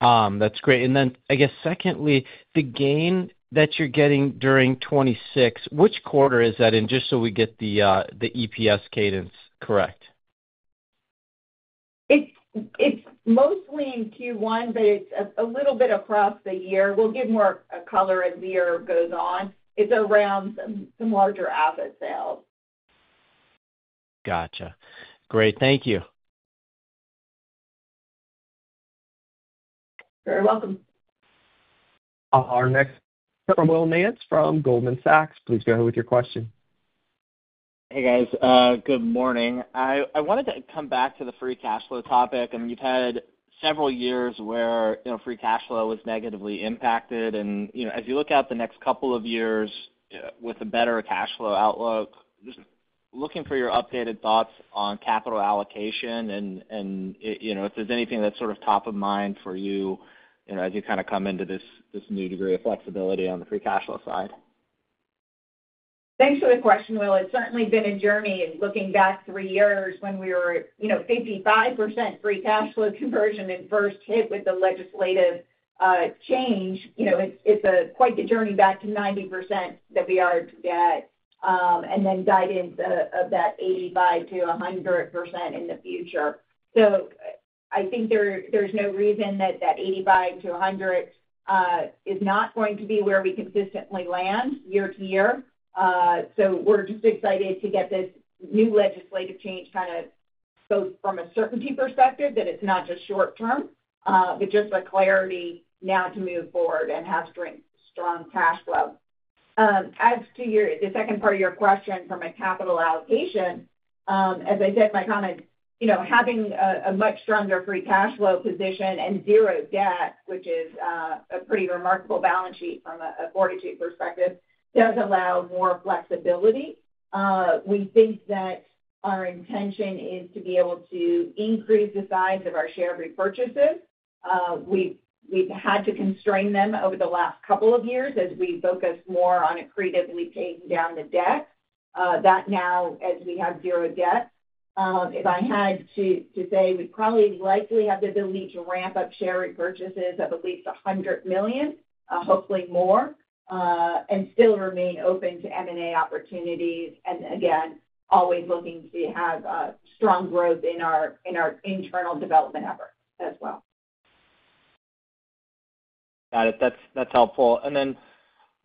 That's great. I guess secondly, the gain that you're getting during 2026, which quarter is that in? Just so we get the EPS cadence correct. It's mostly in Q1, but it's a little bit across the year. We'll give more color as the year goes on. It's around some larger asset sales. Gotcha. Great. Thank you. Very welcome. Our next is Will Nance from Goldman Sachs. Please go with your question. Hey guys, good morning. I wanted to come back to the free cash flow topic. You've had several years where free cash flow was negatively impacted. As you look at the next couple of years with a better cash flow outlook, just looking for your updated thoughts on capital allocation and if there's anything that's sort of top of mind for you as you kind of come into this new degree of flexibility on the free cash flow side. Thanks for the question, Will. It's certainly been a journey looking back three years when we were at 55% free cash flow conversion and first hit with the legislative change, it's quite the journey back to 90% that we are at and then guidance of that 85%-100% in the future. I think there's no reason that 85%-100% is not going to be where we consistently land year to year. We're just excited to get this new legislative change, kind of both from a certainty perspective that it's not just short term, but just a clarity now to move forward and have strong cash flow. As to the second part of your question from a capital allocation, as I said in my comment, having a much stronger free cash flow position and zero debt, which is a pretty remarkable balance sheet from a foreign sheet perspective, does allow more flexibility. We think that our intention is to be able to increase the size of our share repurchases. We've had to constrain them over the last couple of years as we focused more on accretively paying down the debt, but now as we have zero debt, if I had to say, we'd probably likely have the ability to ramp up share repurchases of at least $100 million, hopefully more, and still remain open to M&A opportunity and again always looking to have strong growth in our internal development efforts as well. Got it. That's helpful.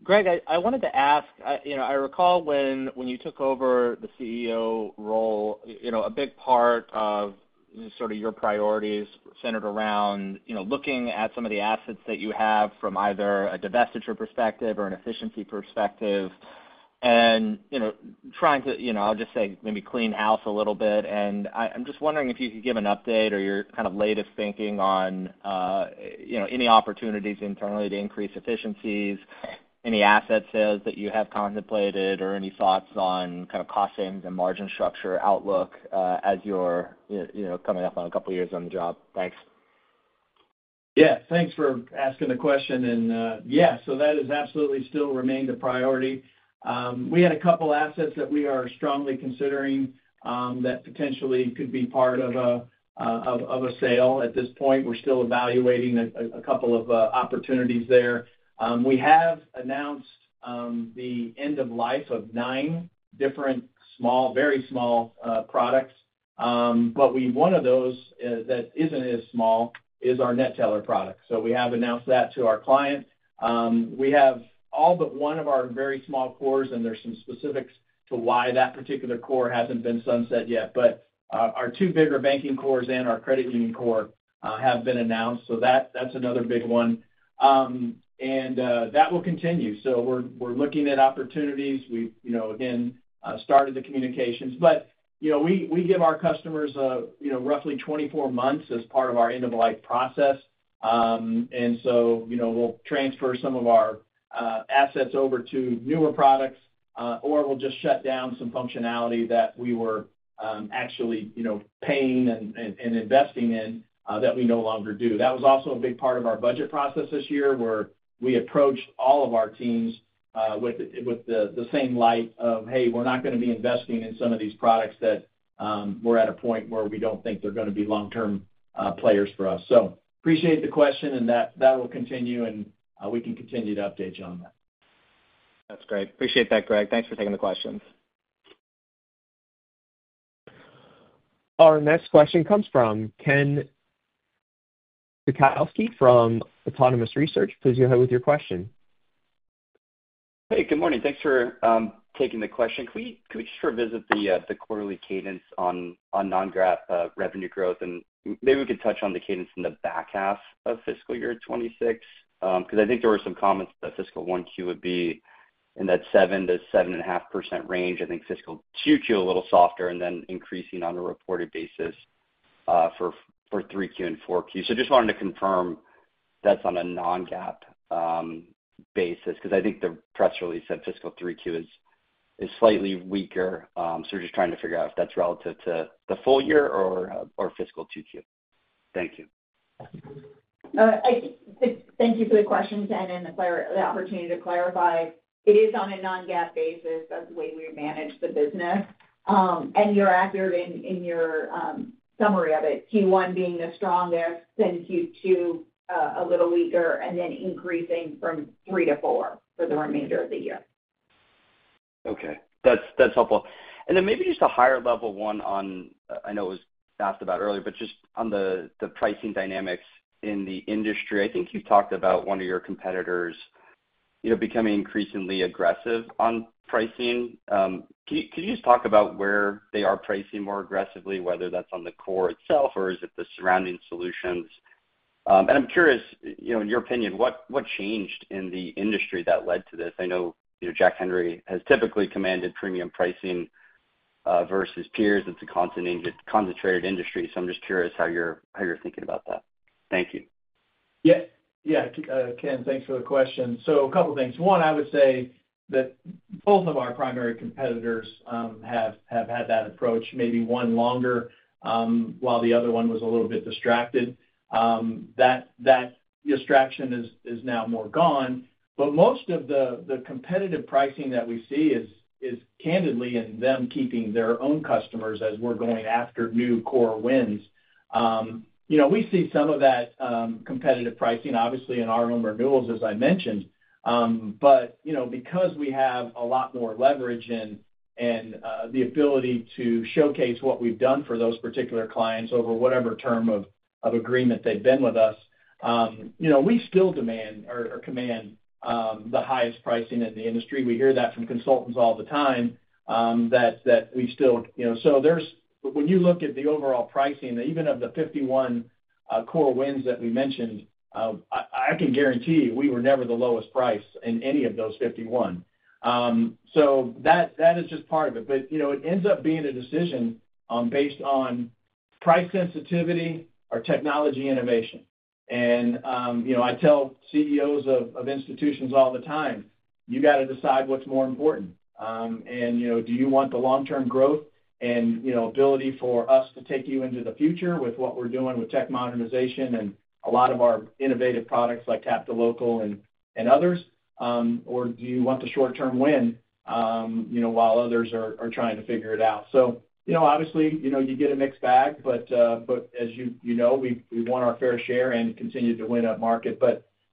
Greg, I wanted to ask, I recall when you took over the CEO role a big part of your priorities centered around looking at some of the assets that you have from either a divestiture perspective or an efficiency perspective and trying to, I'll just say maybe clean house a little bit. I'm just wondering if you could give an update or your latest thinking on any opportunities internally to increase efficiencies, any asset sales that you have contemplated or any thoughts on cost savings and margin structure outlook as you're coming up on a couple of years on the job. Thanks. Yeah, thanks for asking the question. That is absolutely still remained a priority. We had a couple assets that we are strongly considering that potentially could be part of a sale at this point. We're still evaluating a couple of opportunities there. We have announced the end of life of nine different small, very small products. One of those that isn't as small is our Neteller product. We have announced that to our client. We have all but one of our very small cores and there's some specifics to why that particular core hasn't been sunset yet. Our two bigger banking cores and our credit union core have been announced so that's another big one and that will continue. We're looking at opportunities. We started the communications but we give our customers roughly 24 months as part of our end of life process. We'll transfer some of our assets over to newer products or we'll just shut down some functionality that we were actually paying and investing in that we no longer do. That was also a big part of our budget process this year where we approached all of our teams with the same light of, hey, we're not going to be investing in some of these products that we're at a point where we don't think they're going to be long term players for us. Appreciate the question and that will continue and we can continue to update you on that. That's great. Appreciate that. Greg, thanks for taking the questions. Our next question comes from Ken Suchoski from Autonomous Research. Please go ahead with your question. Hey, good morning. Thanks for taking the question. Could we just revisit the quarterly cadence on non-GAAP revenue growth, and maybe we could touch on the cadence in the back half of fiscal year 2026? I think there were some comments that fiscal Q1 would be in that 7%-7.5% range. I think fiscal Q2 a little softer, and then increasing on a reported basis for Q3 and Q4. I just wanted to confirm that's on a non-GAAP basis because I think the press release on fiscal Q3 is slightly weaker. We're just trying to figure out if that's relative to the full year or fiscal Q2. Thank you. Thank you for the question, Ken. The opportunity to clarify it is on a non-GAAP basis of the way we manage the business. You're accurate in your summary of it. Q1 being the strongest, then Q2 a little weaker, and then increasing from 3 to 4 for the remainder of the year. Okay, that's helpful. Maybe just a higher level one on, I know it was asked about earlier, but just on the pricing dynamics in the industry. I think you've talked about one of your competitors becoming increasingly aggressive on pricing. Can you just talk about where they are pricing more aggressively, whether that's on the core itself or is it the surrounding solutions? I'm curious, in your opinion, what changed in the industry that led to this? I know Jack Henry & Associates has typically commanded premium pricing versus peers. It's a concentrated industry. I'm just curious how you're thinking about that. Thank you. Yeah, Ken, thanks for the question. A couple things. One, I would say that both of our primary competitors have had that approach, maybe one longer while the other one was a little bit distracted. That distraction is now more gone. Most of the competitive pricing that we see is candidly in them keeping their own customers that we're going after for new core wins. We see some of that competitive pricing obviously in our own renewals, as I mentioned, but because we have a lot more leverage and the ability to showcase what we've done for those particular clients over whatever term of agreement they've been with us, we still demand or command the highest pricing in the industry. We hear that from consultants all the time. When you look at the overall pricing, even of the 51 core wins that we mentioned, I can guarantee we were never the lowest price in any of those 51. That is just part of it. It ends up being a decision based on price sensitivity or technology innovation. I tell CEOs of institutions all the time, you have to decide what's more important. Do you want the long-term growth and ability for us to take you into the future with what we're doing with tech modernization and a lot of our innovative products like Tap2Local and others, or do you want the short-term win while others are trying to figure it out? Obviously, you get a mixed bag, but we want our fair share and continue to win up market.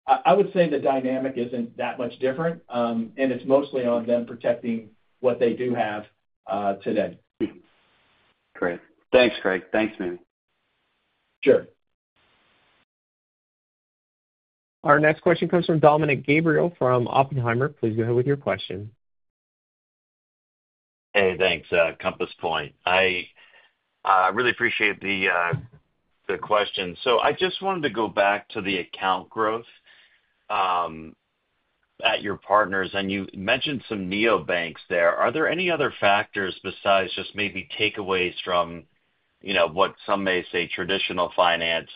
I would say the dynamic isn't that much different and it's mostly on them protecting what they do have today. Great, thanks Greg. Thanks, man. Sure. Our next question comes from Dominick Gabriele from Oppenheimer. Please go ahead with your question. Hey, thanks Compass Point. I really appreciate the question. I just wanted to go back to the account growth at your partners and you mentioned some neobanks. Are there any other factors besides just maybe takeaways from, you know, what some may say traditional finance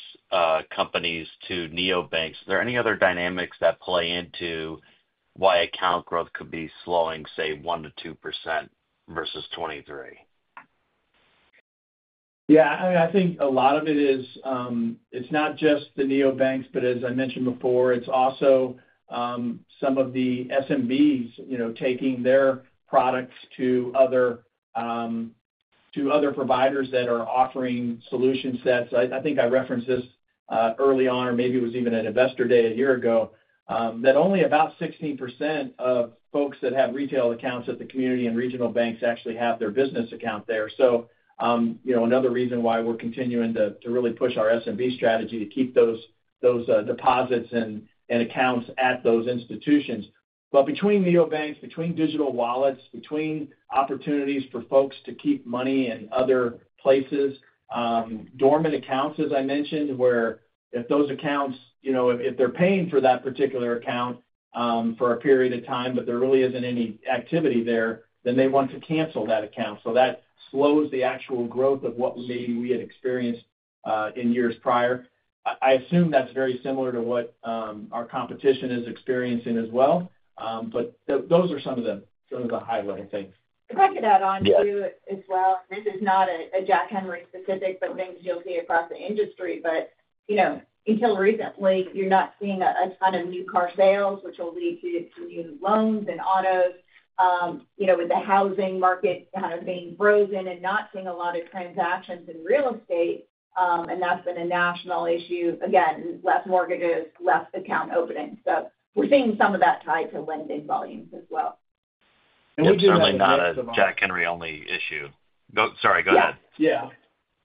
companies to neobanks? Are there any other dynamics that play into why account growth could be slowing, say 1%-2% versus 2023? Yeah, I think a lot of it is it's not just the neobanks but as I mentioned before, it's also some of the SMBs taking their products to other providers that are offering solutions that I think I referenced this early on or maybe it was even at investor day a year ago that only about 16% of folks that have retail accounts at the community and regional banks actually have their business account there. Another reason why we're continuing to really push our SMB strategy to keep those deposits and accounts at those institutions. Between neobanks, between digital wallets, between opportunities for folks to keep money in other places, dormant accounts, as I mentioned, where if those accounts, you know, if they're paying for that particular account for a period of time but there really isn't any activity there, then they want to cancel that account. That slows the actual growth of what maybe we had experienced in years prior. I assume that's very similar to what our competition is experiencing as well. Those are some of the highlighted things. Glad you'd add on too as well. This is not a Jack Henry specific boat you'll see across the industry, but you know, until recently you're not seeing a ton of new car sales which will lead to loans and autos, you know, in the housing market kind of being frozen and not seeing a lot of transactions in real estate. That's been a national issue again, less mortgages, less account opening. We're seeing some of that tied to lending volumes as well. We do, certainly, not a Jack Henry only issue. Sorry, go ahead. Yeah,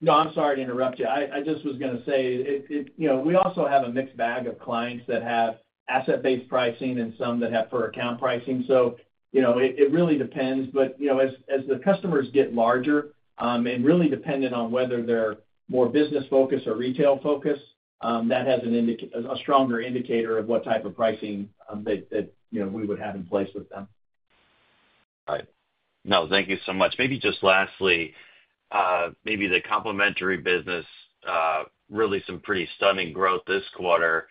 no, I'm sorry to interrupt you. I just was going to say, you know, we also have a mixed bag of clients that have asset-based pricing and some that have per account pricing. It really depends. As the customers get larger, and really dependent on whether they're more business focused or retail focused, that has an indicator, a stronger indicator of what type of pricing that we would have in place with them. No, thank you so much. Maybe just lastly, maybe the complementary business, really some pretty stunning growth this quarter.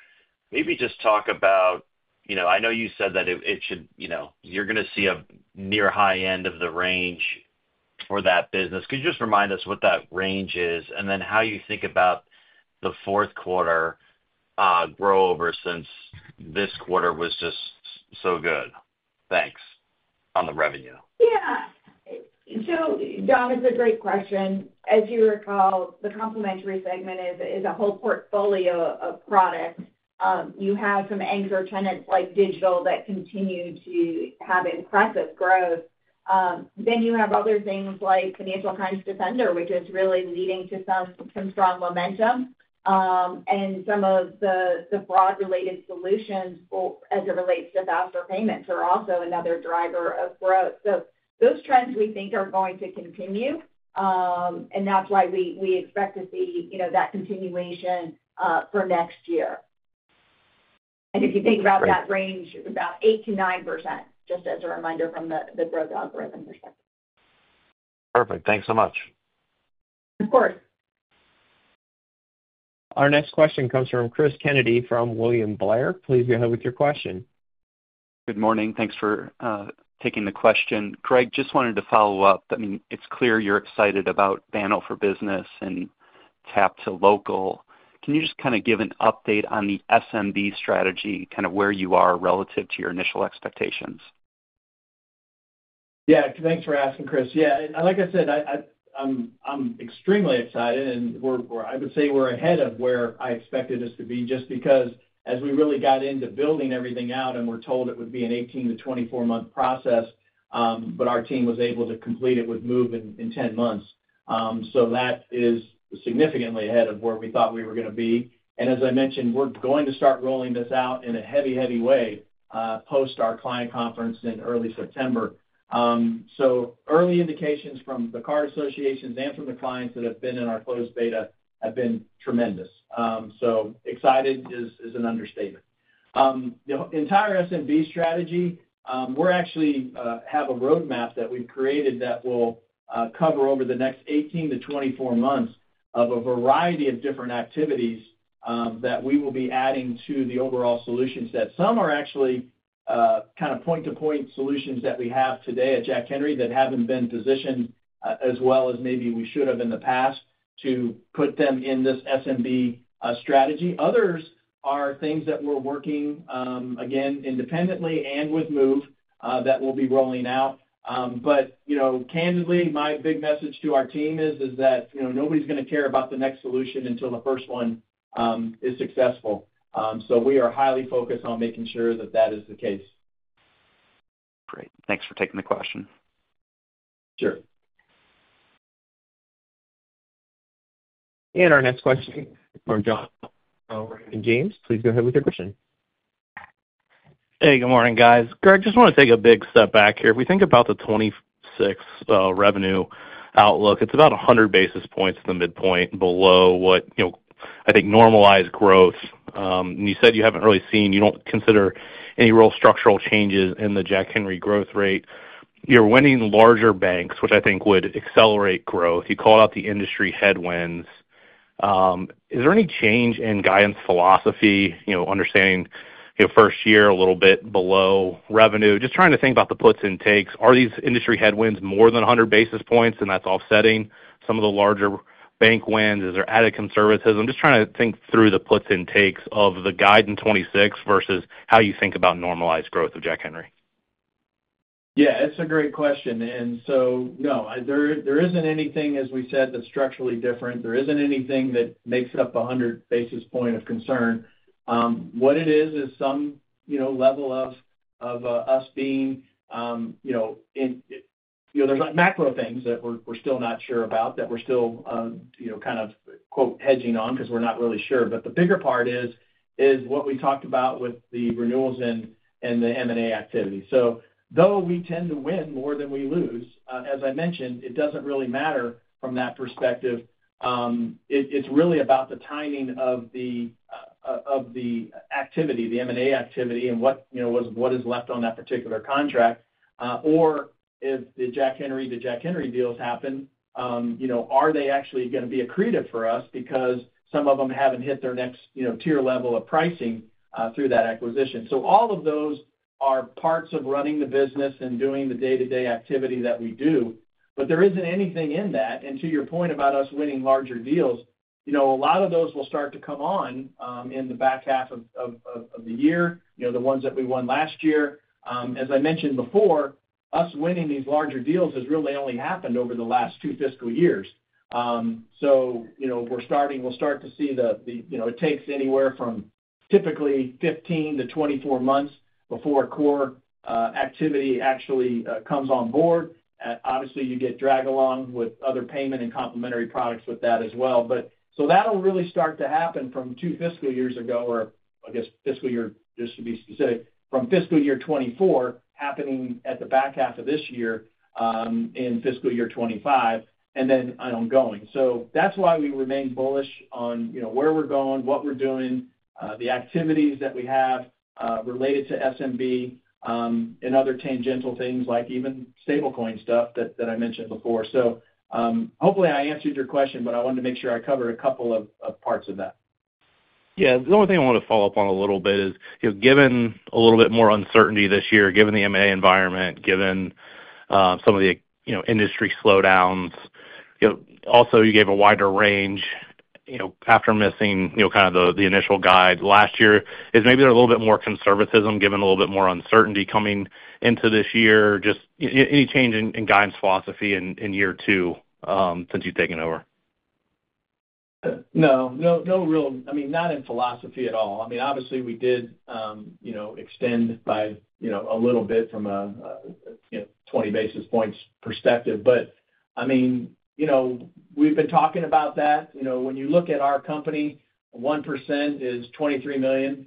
Maybe just talk about, you know, I know you said that it should, you know, you're going to see a near high end of the range for that business. Could you just remind us what that range is and then how you think about the fourth quarter grow over since this quarter was just so good. Thanks on the revenue. Yeah. Dom, it's a great question. As you recall, the complementary segment is a whole portfolio of products. You have some anchor tenants like Digital that continue to have impressive growth. You have other things like Financial Crimes Defender, which is really leading to some strong momentum, and some of the broad related solutions as it relates to faster payments are also another driver of growth. Those trends we think are going to continue, and that's why we expect to see that continuation for next year. If you think about that range, about 8%-9%. Just as a reminder from the growth operations. Perfect. Thanks so much. Of course. Our next question comes from Cris Kennedy from William Blair. Please go ahead with your question. Good morning. Thanks for taking the question, Greg. Just wanted to follow up. I mean it's clear you're excited about Banno for business and Tap2Local. Can you just kind of give an update on the SMB strategy, kind of where you are relative to your initial expectations? Yeah, thanks for asking, Chris. Like I said, I'm extremely excited and I would say we're ahead of where I expected us to be just because as we really got into building everything out and we were told it would be an 18-24 month process, our team was able to complete it with Moov in 10 months. That is significantly ahead of where we thought we were going to be. As I mentioned, we're going to start rolling this out in a heavy, heavy way post our client conference in early September. Early indications from the card associations and from the clients that have been in our closed beta have been tremendous. Excited is an understatement. The entire SMB strategy, we actually have a roadmap that we've created that will cover over the next 18-24 months of a variety of different activities that we will be adding to the overall solutions. Some are actually kind of point-to-point solutions that we have today at Jack Henry that haven't been positioned as well as maybe we should have in the past to put them in this SMB strategy. Others are things that we're working again independently and with Moov that will be rolling out. Candidly, my big message to our team is that nobody's going to care about the next solution until the first one is successful. We are highly focused on making sure that that is the case. Great, thanks for taking the question. Sure. Our next question from John Davis from Raymond James, please go ahead with your question. Hey, good morning guys. Greg, just want to take a big step back here. If we think about the 2026 revenue outlook, it's about 100 basis points, the midpoint below what you know, I think normalized growth you said you haven't really seen. You don't consider any real structural changes in the Jack Henry growth rate. You're winning larger banks, which I think would accelerate growth. You call out the industry headwinds. Is there any change in guidance philosophy, you know, understanding your first year a little bit below revenue, just trying to think about the puts and takes. Are these industry headwinds more than 100 basis points and that's offsetting some of the larger bank wins? Is there added conservatism? I'm just trying to think through the puts and takes of the guide in 2026 versus how you think about normalized growth of Jack Henry. Yeah, it's a great question. No, there isn't anything, as we said, that's structurally different. There isn't anything that makes up 100 basis points of concern. What it is, is some level of us being, you know, there's macro things that we're still not sure about that we're still kind of, quote, hedging on because we're not really sure. The bigger part is what we talked about with the renewals and the M&A activity. Though we tend to win more than we lose, as I mentioned, it doesn't really matter from that perspective. It's really about the timing of the activity, the M&A activity and what is left on that particular contract or if the Jack Henry deals happen, are they actually going to be accretive for us because some of them haven't hit their next tier level of pricing through that acquisition. All of those are parts of running the business and doing the day-to-day activity that we do. There isn't anything in that. To your point about us winning larger deals, a lot of those will start to come on in the back half of the year. The ones that we won last year, as I mentioned before, us winning these larger deals has really only happened over the last two fiscal years. We're starting, we'll start to see the, it takes anywhere from typically 15 to 24 months before core activity actually comes on board. Obviously, you get drag along with other payment and complementary products with that as well. That'll really start to happen from two fiscal years ago or, I guess, just to be specific, from fiscal year 2024 happening at the back half of this year in fiscal year 2025 and then ongoing. That's why we remain bullish on where we're going, what we're doing, the activities that we have related to SMB and other tangential things like even stablecoin stuff that I mentioned before. Hopefully I answered your question, but I wanted to make sure I covered a couple of parts of that. The only thing I want to follow up on a little bit is, you know, given a little bit more uncertainty this year, given the M&A environment, given some of the, you know, industry slowdowns. You know, also you gave a wider range, you know, after missing, you know, kind of the initial guide last year. Is maybe a little bit more conservatism, given a little bit more uncertainty coming into this year. Just any change in guidance philosophy in year two since you've taken over? No, no, no. Real, I mean, not in philosophy at all. I mean, obviously we did, you know, extend by, you know, a little bit from a 20 basis points perspective. I mean, you know, we've been talking about that, you know, when you look at our company, 1% is $23 million,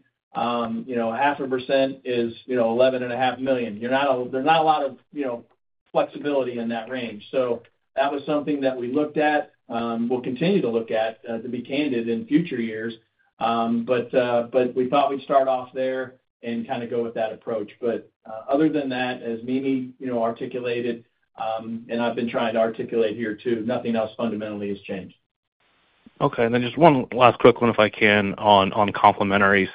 you know, half a percent is, you know, $11.5 million. There is not a lot of, you know, flexibility in that range. That was something that we looked at, we'll continue to look at, to be candid, in future years. We thought we'd start off there and kind of go with that approach. Other than that, as Mimi articulated and I've been trying to articulate here too, nothing else fundamentally has changed. Okay. And then just one last quick one, if I can, on, on complementary.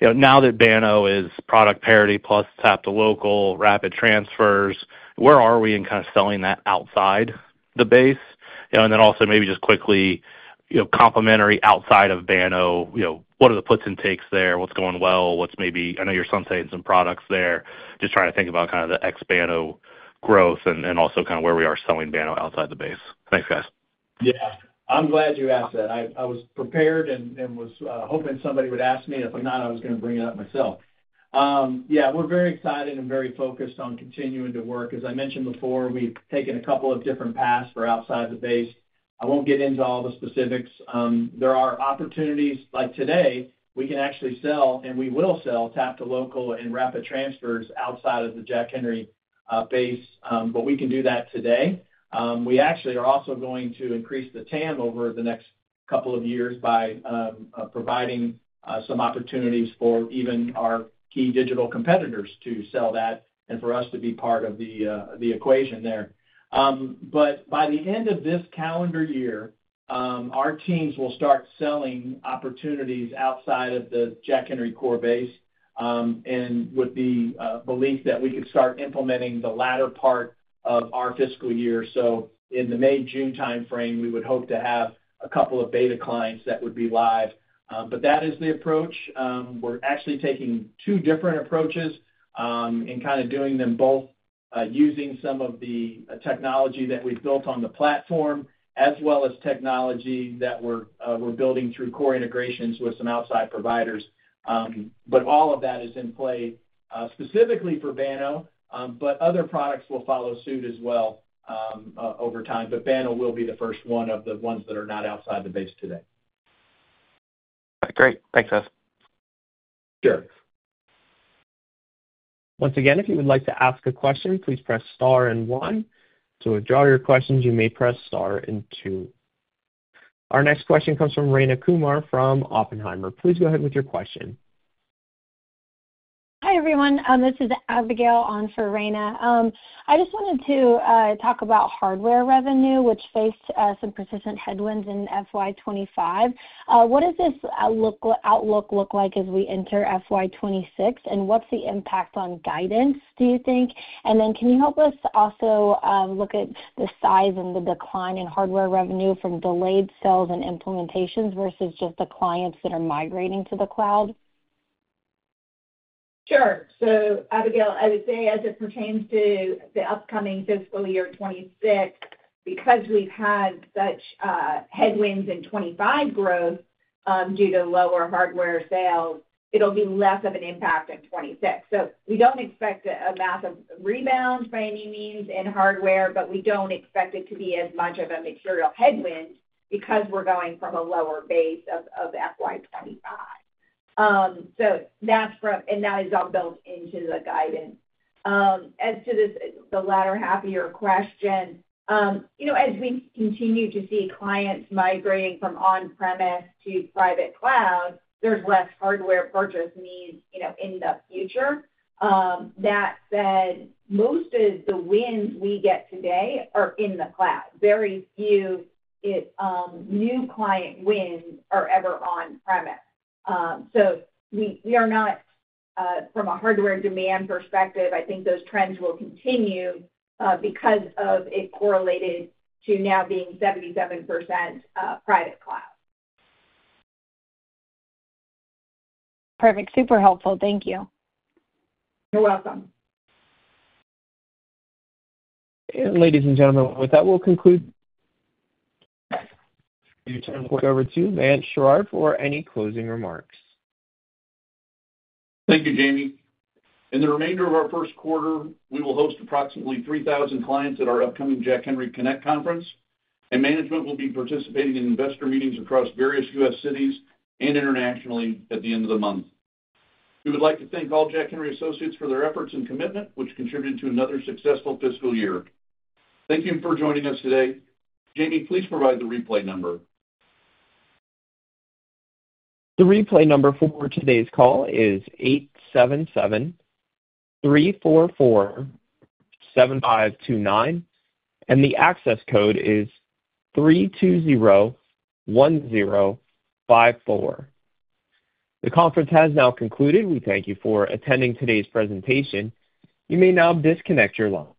Now that Banno is product parity plus Tap2Local, Rapid Transfers, where are we in kind of selling that outside the base, you know, and then also maybe just quickly, you know, complementary outside of Banno. You know, what are the puts and takes there? What's going well, what's maybe—I know you're sunsetting some products there. Just trying to think about kind of the ex-Banno growth and also kind of where we are selling Banno outside the base. Thanks, guys. Yeah, I'm glad you asked that. I was prepared and was hoping somebody would ask me. If not, I was going to bring it up myself. We're very excited and very focused on continuing to work. As I mentioned before, we've taken a couple of different paths for outside the base. I won't get into all the specifics. There are opportunities like today we can actually sell and we will sell Tap2Local and Rapid Transfers outside of the Jack Henry base. We can do that today. We actually are also going to increase the TAM over the next couple of years by providing some opportunities for even our key digital competitors to sell that and for us to be part of the equation there. By the end of this calendar year, our teams will start selling opportunities outside of the Jack Henry core base, with the belief that we could start implementing the latter part of our fiscal year. In the May June timeframe, we would hope to have a couple of beta clients that would be live. That is the approach. We're actually taking two different approaches and kind of doing them both using some of the technology that we've built on the platform as well as technology that we're building through core integrations with some outside providers. All of that is in play specifically for Banno, but other products will follow suit as well over time. Banno will be the first one of the ones that are not outside the base today. Great, thanks, guys. Sure. Once again, if you would like to ask a question, please press Star and one. To withdraw your questions, you may press Star and two. Our next question comes from Rayna Kumar from Oppenheimer. Please go ahead with your question. Hi everyone, this is Abigail on for Reina. I just wanted to talk about hardware revenue which faced some persistent headwinds in FY 2025. What does this outlook look like as we enter FY 2026 and what's the impact on guidance, do you think? Can you help us also look at the size and the decline in hardware revenue from delayed sales and implementations versus just the clients that are migrating to the cloud? Sure. So Abigail, as it pertains to the upcoming fiscal year 2026, because we've had such headwinds in 2025 growth due to lower hardware sales, it'll be less of an impact in 2026. We don't expect a massive rebound by any means in hardware, but we don't expect it to be as much of a material headwind because we're going from a lower base of FY 2025. That is all built into the guidance. As to the latter half of your question, as we continue to see clients migrating from on premise to private cloud, there's less hardware purchase needs in the future. That said, most of the wins we get today are in the cloud. Very few new client wins are ever on premise. From a hardware demand perspective, I think those trends will continue because of it correlated to now being 77% private cloud. Perfect. Super helpful. Thank you. You're welcome. Ladies and gentlemen, with that, we will conclude. Over to Vance Sherrard for any closing remarks. Thank you, Jamie. In the remainder of our first quarter, we will host approximately 3,000 clients at our upcoming Jack Henry Connect conference, and management will be participating in investor meetings across various U.S. cities and internationally at the end of the month. We would like to thank all Jack Henry & Associates associates for their efforts and commitment, which contributed to another successful fiscal year. Thank you for joining us today. Jamie, please provide the replay number. The replay number for today's call is 877-344-7529, and the access code is 3201054. The conference has now concluded. We thank you for attending today's presentation. You may now disconnect your lines.